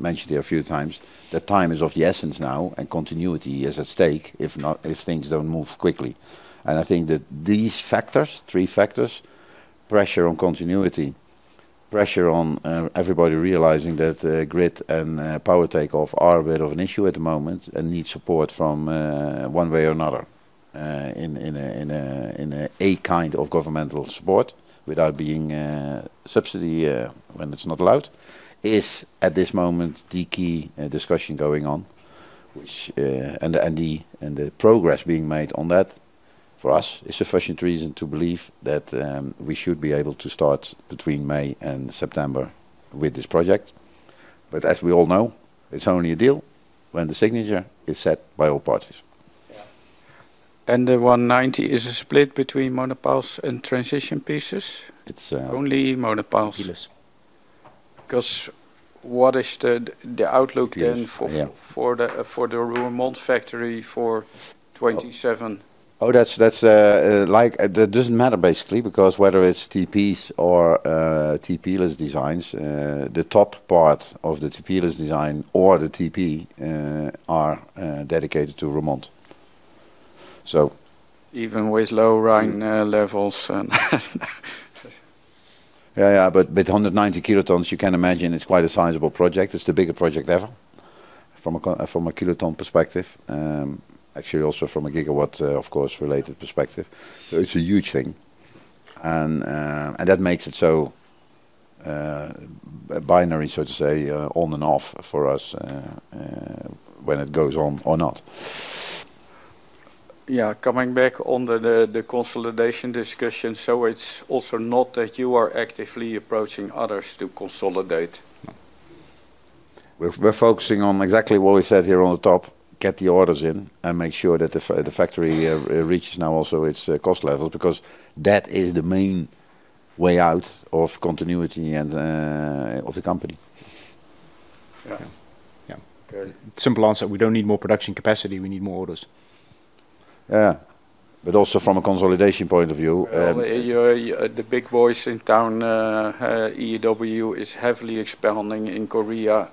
mentioned here a few times, that time is of the essence now and continuity is at stake if things don't move quickly. I think that these factors, three factors, pressure on continuity, pressure on everybody realizing that grid and power takeoff are a bit of an issue at the moment and need support from one way or another, in a kind of governmental support without being subsidy when it's not allowed, is at this moment the key discussion going on. The progress being made on that for us is sufficient reason to believe that we should be able to start between May and September with this project. As we all know, it's only a deal when the signature is set by all parties. The 190 is a split between monopiles and transition pieces? It's- Only monopiles. TP-less. What is the outlook then- TP-less, yeah For the Roermond factory for 2027? That doesn't matter, basically, because whether it's TPs or TP-less designs, the top part of the TP-less design or the TP are dedicated to Roermond. Even with low Rhine levels? Yeah, with 190 kilotons, you can imagine it's quite a sizable project. It's the biggest project ever from a kiloton perspective. Actually, also from a gigawatt, of course, related perspective. It's a huge thing, and that makes it so binary, so to say, on and off for us, when it goes on or not. Yeah. Coming back on the consolidation discussion, it's also not that you are actively approaching others to consolidate? No. We are focusing on exactly what we said here on the top, get the orders in and make sure that the factory reaches now also its cost levels, because that is the main way out of continuity of the company. Yeah. Yeah. Simple answer, we do not need more production capacity, we need more orders. Yeah. Also from a consolidation point of view. Well, the big boys in town, EEW, is heavily expanding in Korea.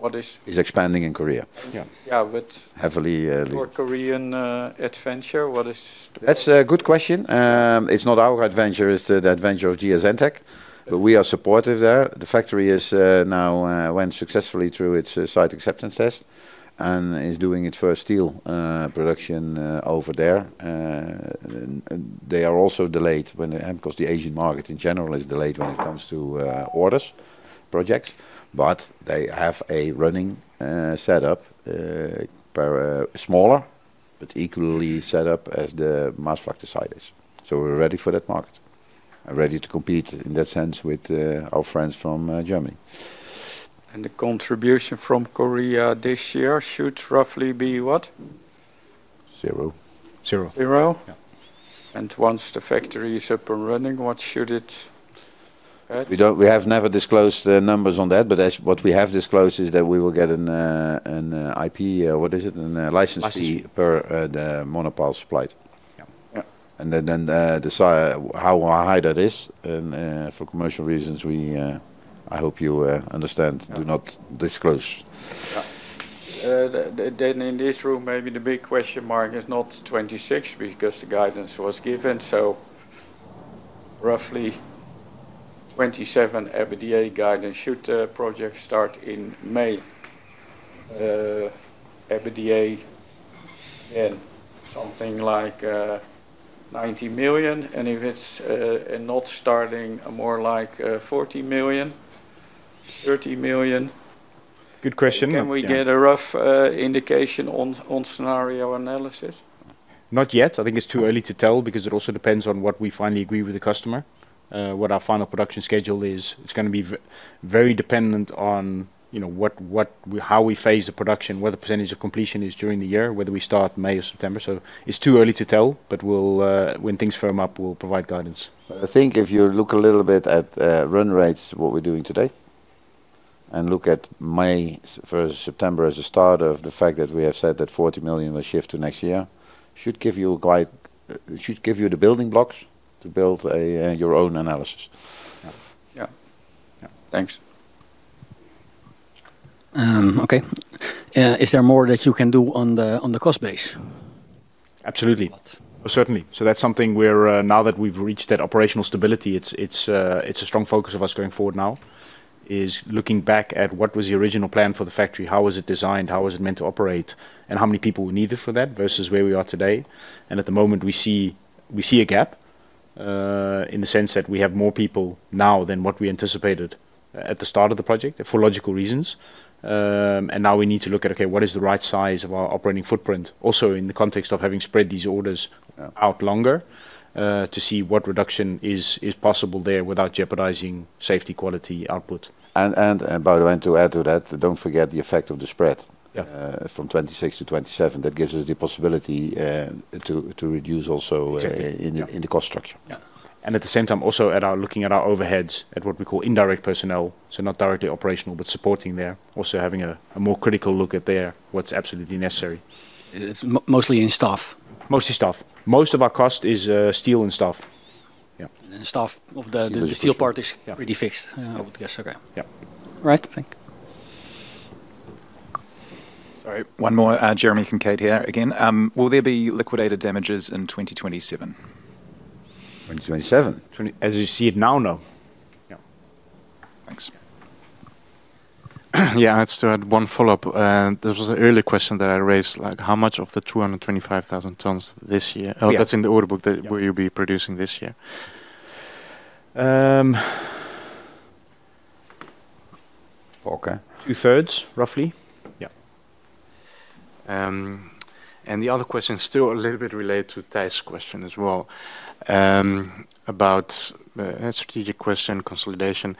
What is? Is expanding in Korea? Yeah. Yeah. Heavily. your Korean adventure, what is the? That's a good question. It's not our adventure, it's the adventure of GS Entec, but we are supportive there. The factory went successfully through its site acceptance test and is doing its first steel production over there. They are also delayed because the Asian market, in general, is delayed when it comes to orders, projects, but they have a running setup, smaller but equally set up as the Maasvlakte site is. We're ready for that market and ready to compete in that sense with our friends from Germany. The contribution from Korea this year should roughly be what? Zero. Zero. Zero? Yeah. Once the factory is up and running, what should it at? We have never disclosed the numbers on that, but what we have disclosed is that we will get an IP, what is it? Licensee. Licensee per the monopile supplied. Yeah. Yeah. Decide how high that is, and for commercial reasons, I hope you understand, do not disclose. In this room, maybe the big question mark is not 2026 because the guidance was given, roughly 2027 EBITDA guidance, should the project start in May? EBITDA, again, something like 90 million, and if it's not starting, more like 40 million, 30 million? Good question. Can we get a rough indication on scenario analysis? Not yet. I think it's too early to tell because it also depends on what we finally agree with the customer, what our final production schedule is. It's going to be very dependent on how we phase the production, where the percentage of completion is during the year, whether we start May or September. It's too early to tell, but when things firm up, we'll provide guidance. I think if you look a little bit at run rates, what we're doing today, look at May versus September as a start of the fact that we have said that 40 million will shift to next year, should give you the building blocks to build your own analysis. Yeah. Thanks. Okay. Is there more that you can do on the cost base? Absolutely. Certainly. That's something where now that we've reached that operational stability, it's a strong focus of us going forward now, is looking back at what was the original plan for the factory, how was it designed, how was it meant to operate, and how many people we needed for that versus where we are today. At the moment, we see a gap, in the sense that we have more people now than what we anticipated at the start of the project for logical reasons. Now we need to look at, okay, what is the right size of our operating footprint, also in the context of having spread these orders out longer, to see what reduction is possible there without jeopardizing safety, quality, output. By the way, to add to that, don't forget the effect of the spread. Yeah. from 2026 to 2027. That gives us the possibility to reduce also. Exactly. Yeah. In the cost structure. Yeah. At the same time also looking at our overheads, at what we call indirect personnel, so not directly operational, but supporting there, also having a more critical look at there, what's absolutely necessary. It's mostly in staff? Mostly staff. Most of our cost is steel and staff. Yeah. Staff of the steel part. Steel is a portion Pretty fixed, I would guess. Okay. Yeah. Right. Thank you. Sorry, one more. Jeremy Kincaid here again. Will there be liquidated damages in 2027? 2027? As you see it now, no. Yeah. Thanks. Yeah, I just had one follow-up. There was an earlier question that I raised, how much of the 225,000 tons this year Yeah. That's in the order book that will you be producing this year? Okay. Two-thirds, roughly. Yeah. The other question is still a little bit related to Thijs' question as well, about strategic question consolidation.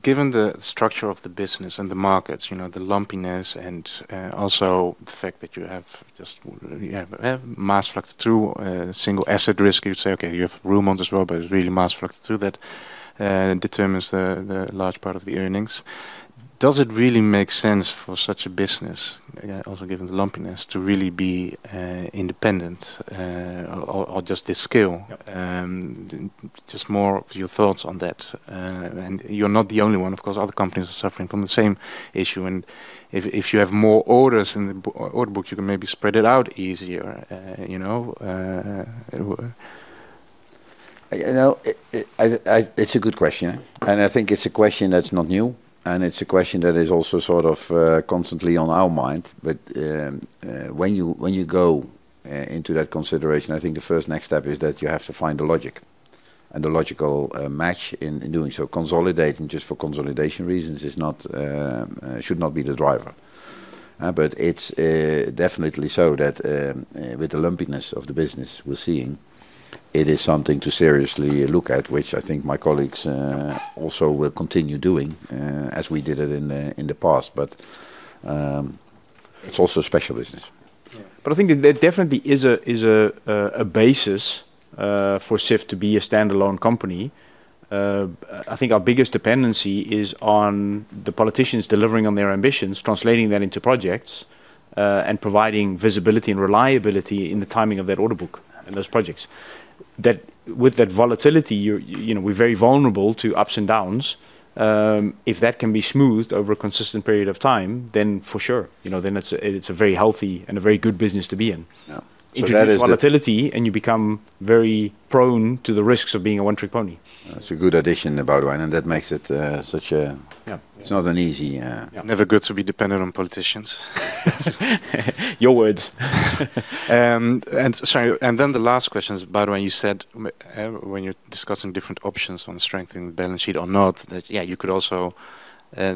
Given the structure of the business and the markets, the lumpiness and also the fact that you have Maasvlakte through single asset risk, you'd say, okay, you have room on this Roermond, but it's really Maasvlakte that determines the large part of the earnings. Does it really make sense for such a business, also given the lumpiness, to really be independent or just this scale? Yeah. Just more of your thoughts on that. You're not the only one. Of course, other companies are suffering from the same issue, and if you have more orders in the order book, you can maybe spread it out easier. It's a good question. I think it's a question that's not new. It's a question that is also constantly on our mind. When you go into that consideration, I think the first next step is that you have to find the logic and the logical match in doing so. Consolidating just for consolidation reasons should not be the driver. It's definitely so that with the lumpiness of the business we're seeing, it is something to seriously look at, which I think my colleagues also will continue doing as we did it in the past. It's also a special business. Yeah. I think there definitely is a basis for Sif to be a standalone company. I think our biggest dependency is on the politicians delivering on their ambitions, translating that into projects, and providing visibility and reliability in the timing of that order book and those projects. That with that volatility, we're very vulnerable to ups and downs. If that can be smoothed over a consistent period of time, for sure, it's a very healthy and a very good business to be in. Yeah. Introduce volatility. You become very prone to the risks of being a one-trick pony. That's a good addition, Boudewijn, and that makes it such a- Yeah. It's not an easy- Never good to be dependent on politicians. Your words. Sorry. The last question is, Boudewijn, you said when you're discussing different options on strengthening the balance sheet or not, that, yeah,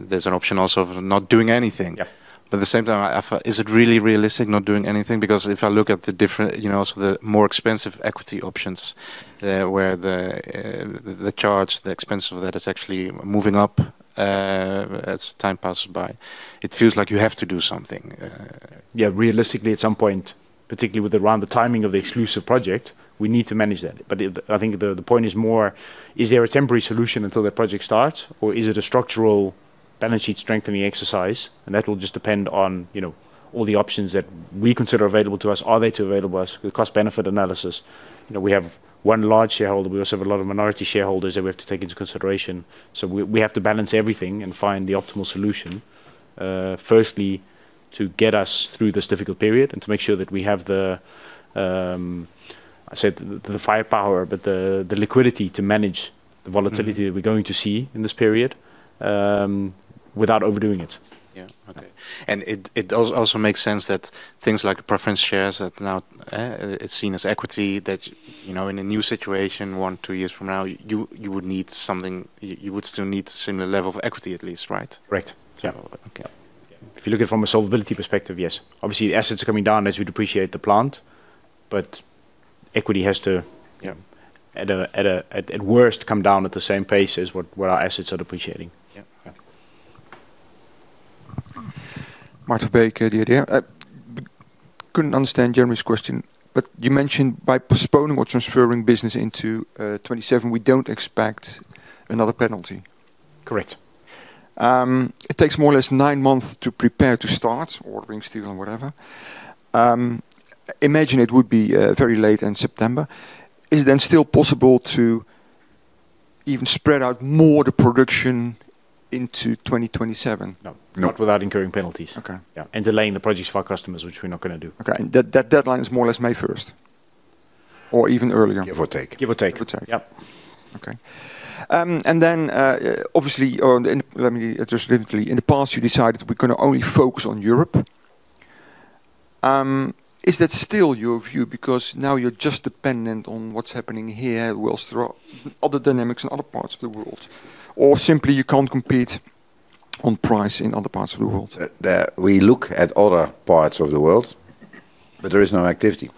there's an option also of not doing anything. Yeah. At the same time, is it really realistic not doing anything? Because if I look at the more expensive equity options, where the charge, the expense of that is actually moving up as time passes by, it feels like you have to do something. Yeah, realistically, at some point, particularly around the timing of the exclusive project, we need to manage that. I think the point is more, is there a temporary solution until the project starts or is it a structural balance sheet strengthening exercise? That will just depend on all the options that we consider available to us. Are they available to us? The cost-benefit analysis. We have one large shareholder. We also have a lot of minority shareholders that we have to take into consideration. We have to balance everything and find the optimal solution, firstly, to get us through this difficult period and to make sure that we have, I said the firepower, but the liquidity to manage the volatility that we're going to see in this period, without overdoing it. Yeah. Okay. It also makes sense that things like preference shares that now it's seen as equity, that in a new situation, one, two years from now, you would still need a similar level of equity at least, right? Right. Okay. If you look at it from a solvability perspective, yes. Obviously, assets are coming down as we depreciate the plant, but equity has. Yeah. At worst, come down at the same pace as what our assets are depreciating. Yeah. Okay. Maarten Verbeek, The Idea. Couldn't understand Jeremy's question, but you mentioned by postponing or transferring business into 2027, we don't expect another penalty. Correct. It takes more or less nine months to prepare to start ordering steel and whatever. Imagine it would be very late in September. Is it then still possible to even spread out more the production into 2027? No. No. Not without incurring penalties. Okay. Yeah. Delaying the projects for our customers, which we're not going to do. Okay. That deadline is more or less May 1st or even earlier? Give or take. Give or take. Give or take. Yep. Okay. Obviously, let me just briefly, in the past, you decided we're going to only focus on Europe. Is that still your view because now you're just dependent on what's happening here whilst there are other dynamics in other parts of the world, or simply you can't compete on price in other parts of the world? We look at other parts of the world, there is no activity.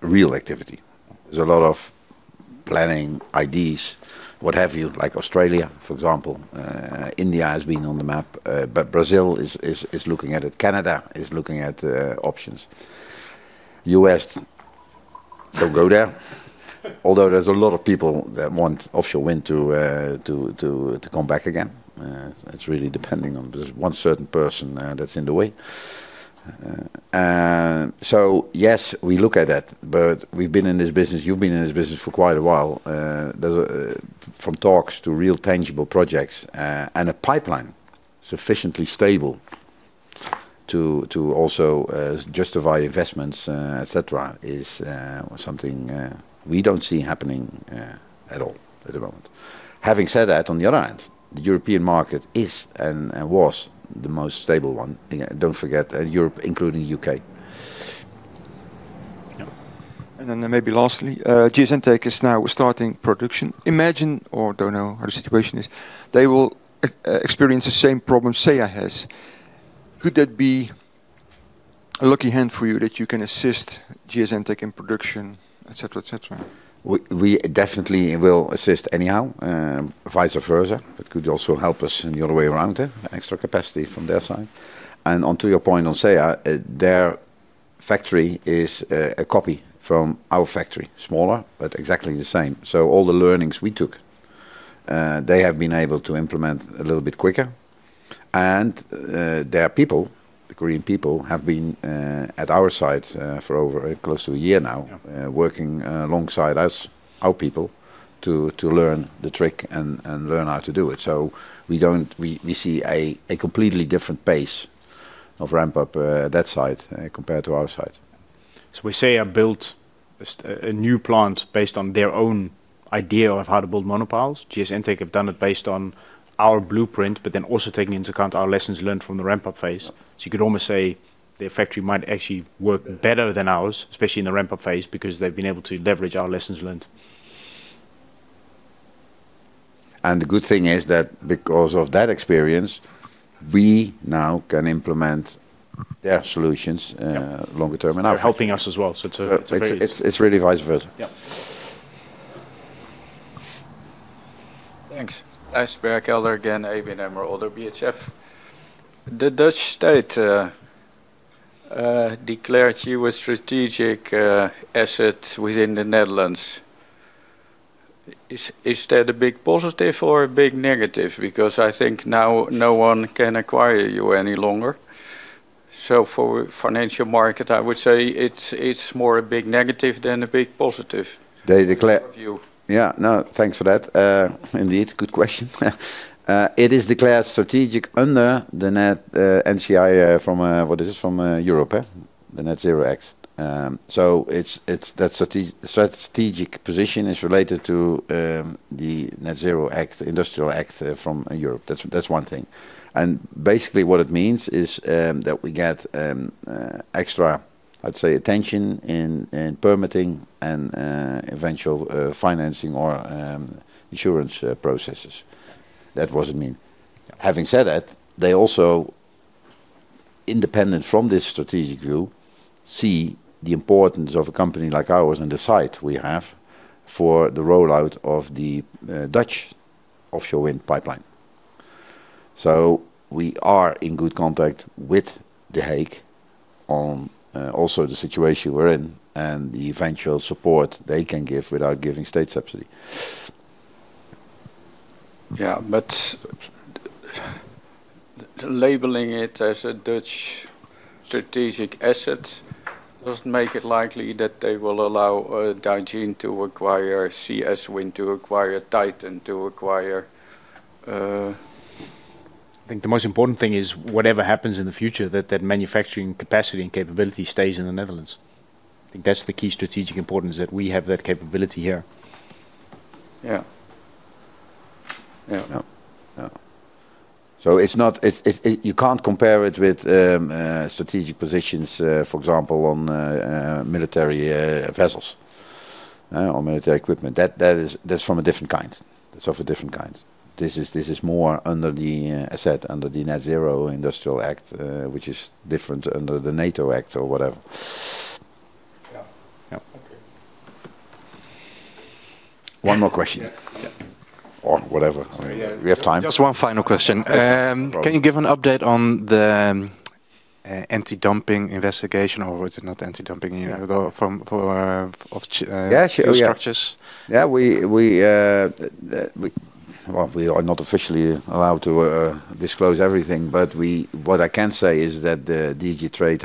Real activity. There's a lot of planning, IDs, what have you, like Australia, for example. India has been on the map. Brazil is looking at it. Canada is looking at options. U.S., don't go there. Although there's a lot of people that want offshore wind to come back again. It's really depending on there's one certain person that's in the way. Yes, we look at that, we've been in this business, you've been in this business for quite a while. From talks to real tangible projects, and a pipeline sufficiently stable to also justify investments, et cetera, is something we don't see happening at all at the moment. Having said that, on the other hand, the European market is and was the most stable one. Don't forget Europe, including U.K. Maybe lastly, GS Entec is now starting production. Imagine, or don't know how the situation is, they will experience the same problem SeAH has. Could that be a lucky hand for you that you can assist GS Entec in production, et cetera? We definitely will assist anyhow, vice versa. Could also help us in the other way around, extra capacity from their side. Onto your point on SeAH, their factory is a copy from our factory, smaller, but exactly the same. All the learnings we took, they have been able to implement a little bit quicker. Their people, the Korean people, have been at our site for close to a year now, working alongside us, our people, to learn the trick and learn how to do it. We see a completely different pace of ramp-up that site compared to our site. SeAH built a new plant based on their own idea of how to build monopiles. GS Entec have done it based on our blueprint, taking into account our lessons learned from the ramp-up phase. You could almost say their factory might actually work better than ours, especially in the ramp-up phase, because they've been able to leverage our lessons learned. The good thing is that because of that experience, we now can implement their solutions longer term. They're helping us as well. It's a very. It's really vice versa. Yeah. Thanks. Thijs Berkelder, again, ABN AMRO, ODDO BHF. The Dutch state declared you a strategic asset within the Netherlands. Is that a big positive or a big negative? I think now no one can acquire you any longer. For financial market, I would say it's more a big negative than a big positive. They declare- What's your view? Yeah. No, thanks for that. Indeed. Good question. It is declared strategic under the Net-Zero Industry Act from Europe. The Net-Zero Industry Act. That strategic position is related to the Net-Zero Industry Act from Europe. That's one thing. Basically, what it means is that we get extra, I'd say, attention in permitting and eventual financing or insurance processes. That what it mean. Having said that, they also, independent from this strategic view, see the importance of a company like ours and the site we have for the rollout of the Dutch offshore wind pipeline. We are in good contact with The Hague on also the situation we're in and the eventual support they can give without giving state subsidy. Labeling it as a Dutch strategic asset doesn't make it likely that they will allow Daijin to acquire CS Wind to acquire Titan. I think the most important thing is whatever happens in the future, that that manufacturing capacity and capability stays in the Netherlands. I think that's the key strategic importance, that we have that capability here. Yeah. You can't compare it with strategic positions, for example, on military vessels or military equipment. That's of a different kind. This is more under the asset, under the Net-Zero Industry Act, which is different under the NATO act. Yeah. Yeah. Okay. One more question. Yeah. Whatever. We have time. Just one final question. No problem. Can you give an update on the anti-dumping investigation, or is it not anti-dumping, from offshore-? Yeah, sure. Steel structures? Yeah. Well, we are not officially allowed to disclose everything, but what I can say is that DG TRADE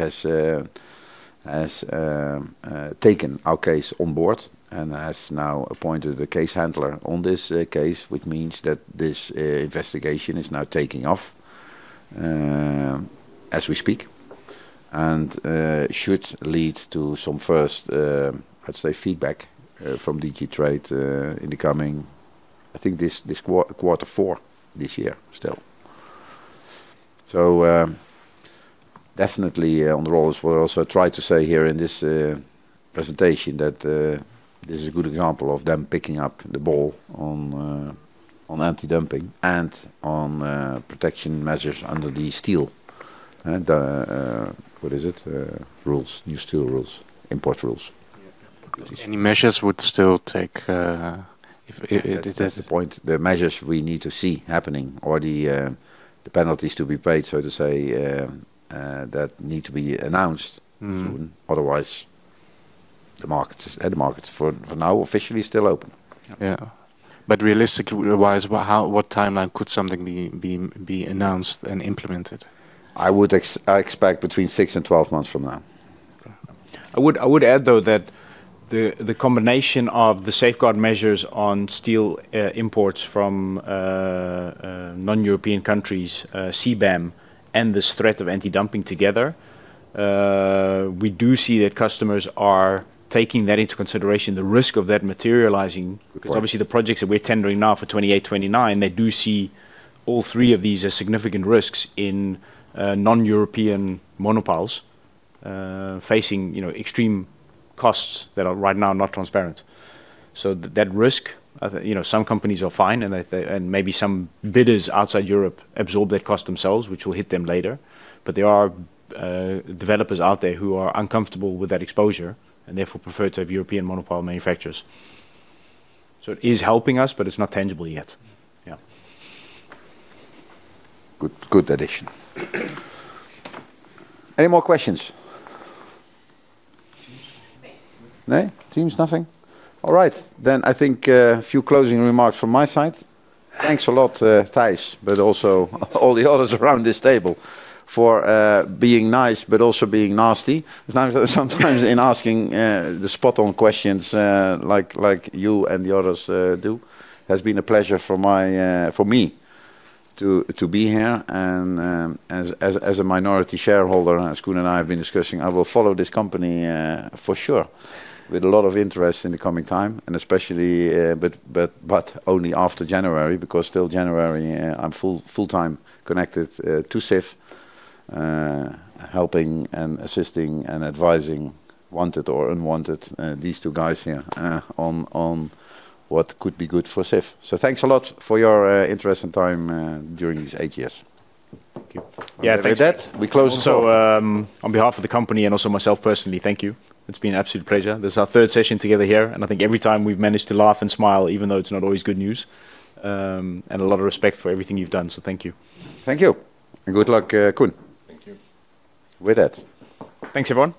has taken our case on board and has now appointed a case handler on this case, which means that this investigation is now taking off as we speak, and should lead to some first, I'd say, feedback from DG TRADE in the coming, I think this quarter four this year still. Definitely on the rollers. What I also tried to say here in this presentation that this is a good example of them picking up the ball on anti-dumping and on protection measures under the steel, what is it? Rules, new steel rules, import rules. Yeah. Any measures would still take. That's the point. The measures we need to see happening or the penalties to be paid, so to say, that need to be announced soon. Otherwise, the market is, for now, officially still open. Yeah. Realistically wise, what timeline could something be announced and implemented? I expect between six and 12 months from now. Okay. I would add, though, that the combination of the safeguard measures on steel imports from non-European countries, CBAM, and this threat of anti-dumping together, we do see that customers are taking that into consideration, the risk of that materializing. Correct. Obviously, the projects that we're tendering now for 2028, 2029, they do see all three of these as significant risks in non-European monopiles, facing extreme costs that are right now not transparent. That risk, some companies are fine, and maybe some bidders outside Europe absorb that cost themselves, which will hit them later. There are developers out there who are uncomfortable with that exposure and therefore prefer to have European monopile manufacturers. It is helping us, but it's not tangible yet. Yeah. Good addition. Any more questions? No. No? Teams, nothing? All right. I think a few closing remarks from my side. Thanks a lot, Thijs, but also all the others around this table for being nice but also being nasty. Sometimes in asking the spot on questions like you and the others do, has been a pleasure for me to be here. As a minority shareholder, as Koen and I have been discussing, I will follow this company for sure with a lot of interest in the coming time, and especially, but only after January, because till January, I'm full-time connected to Sif, helping and assisting and advising, wanted or unwanted, these two guys here on what could be good for Sif. Thanks a lot for your interest and time during these eight years. Thank you. With that, we close. On behalf of the company and also myself personally, thank you. It's been an absolute pleasure. This is our third session together here, and I think every time we've managed to laugh and smile, even though it's not always good news. A lot of respect for everything you've done, so thank you. Thank you. Good luck, Koen. Thank you. With that. Thanks, everyone.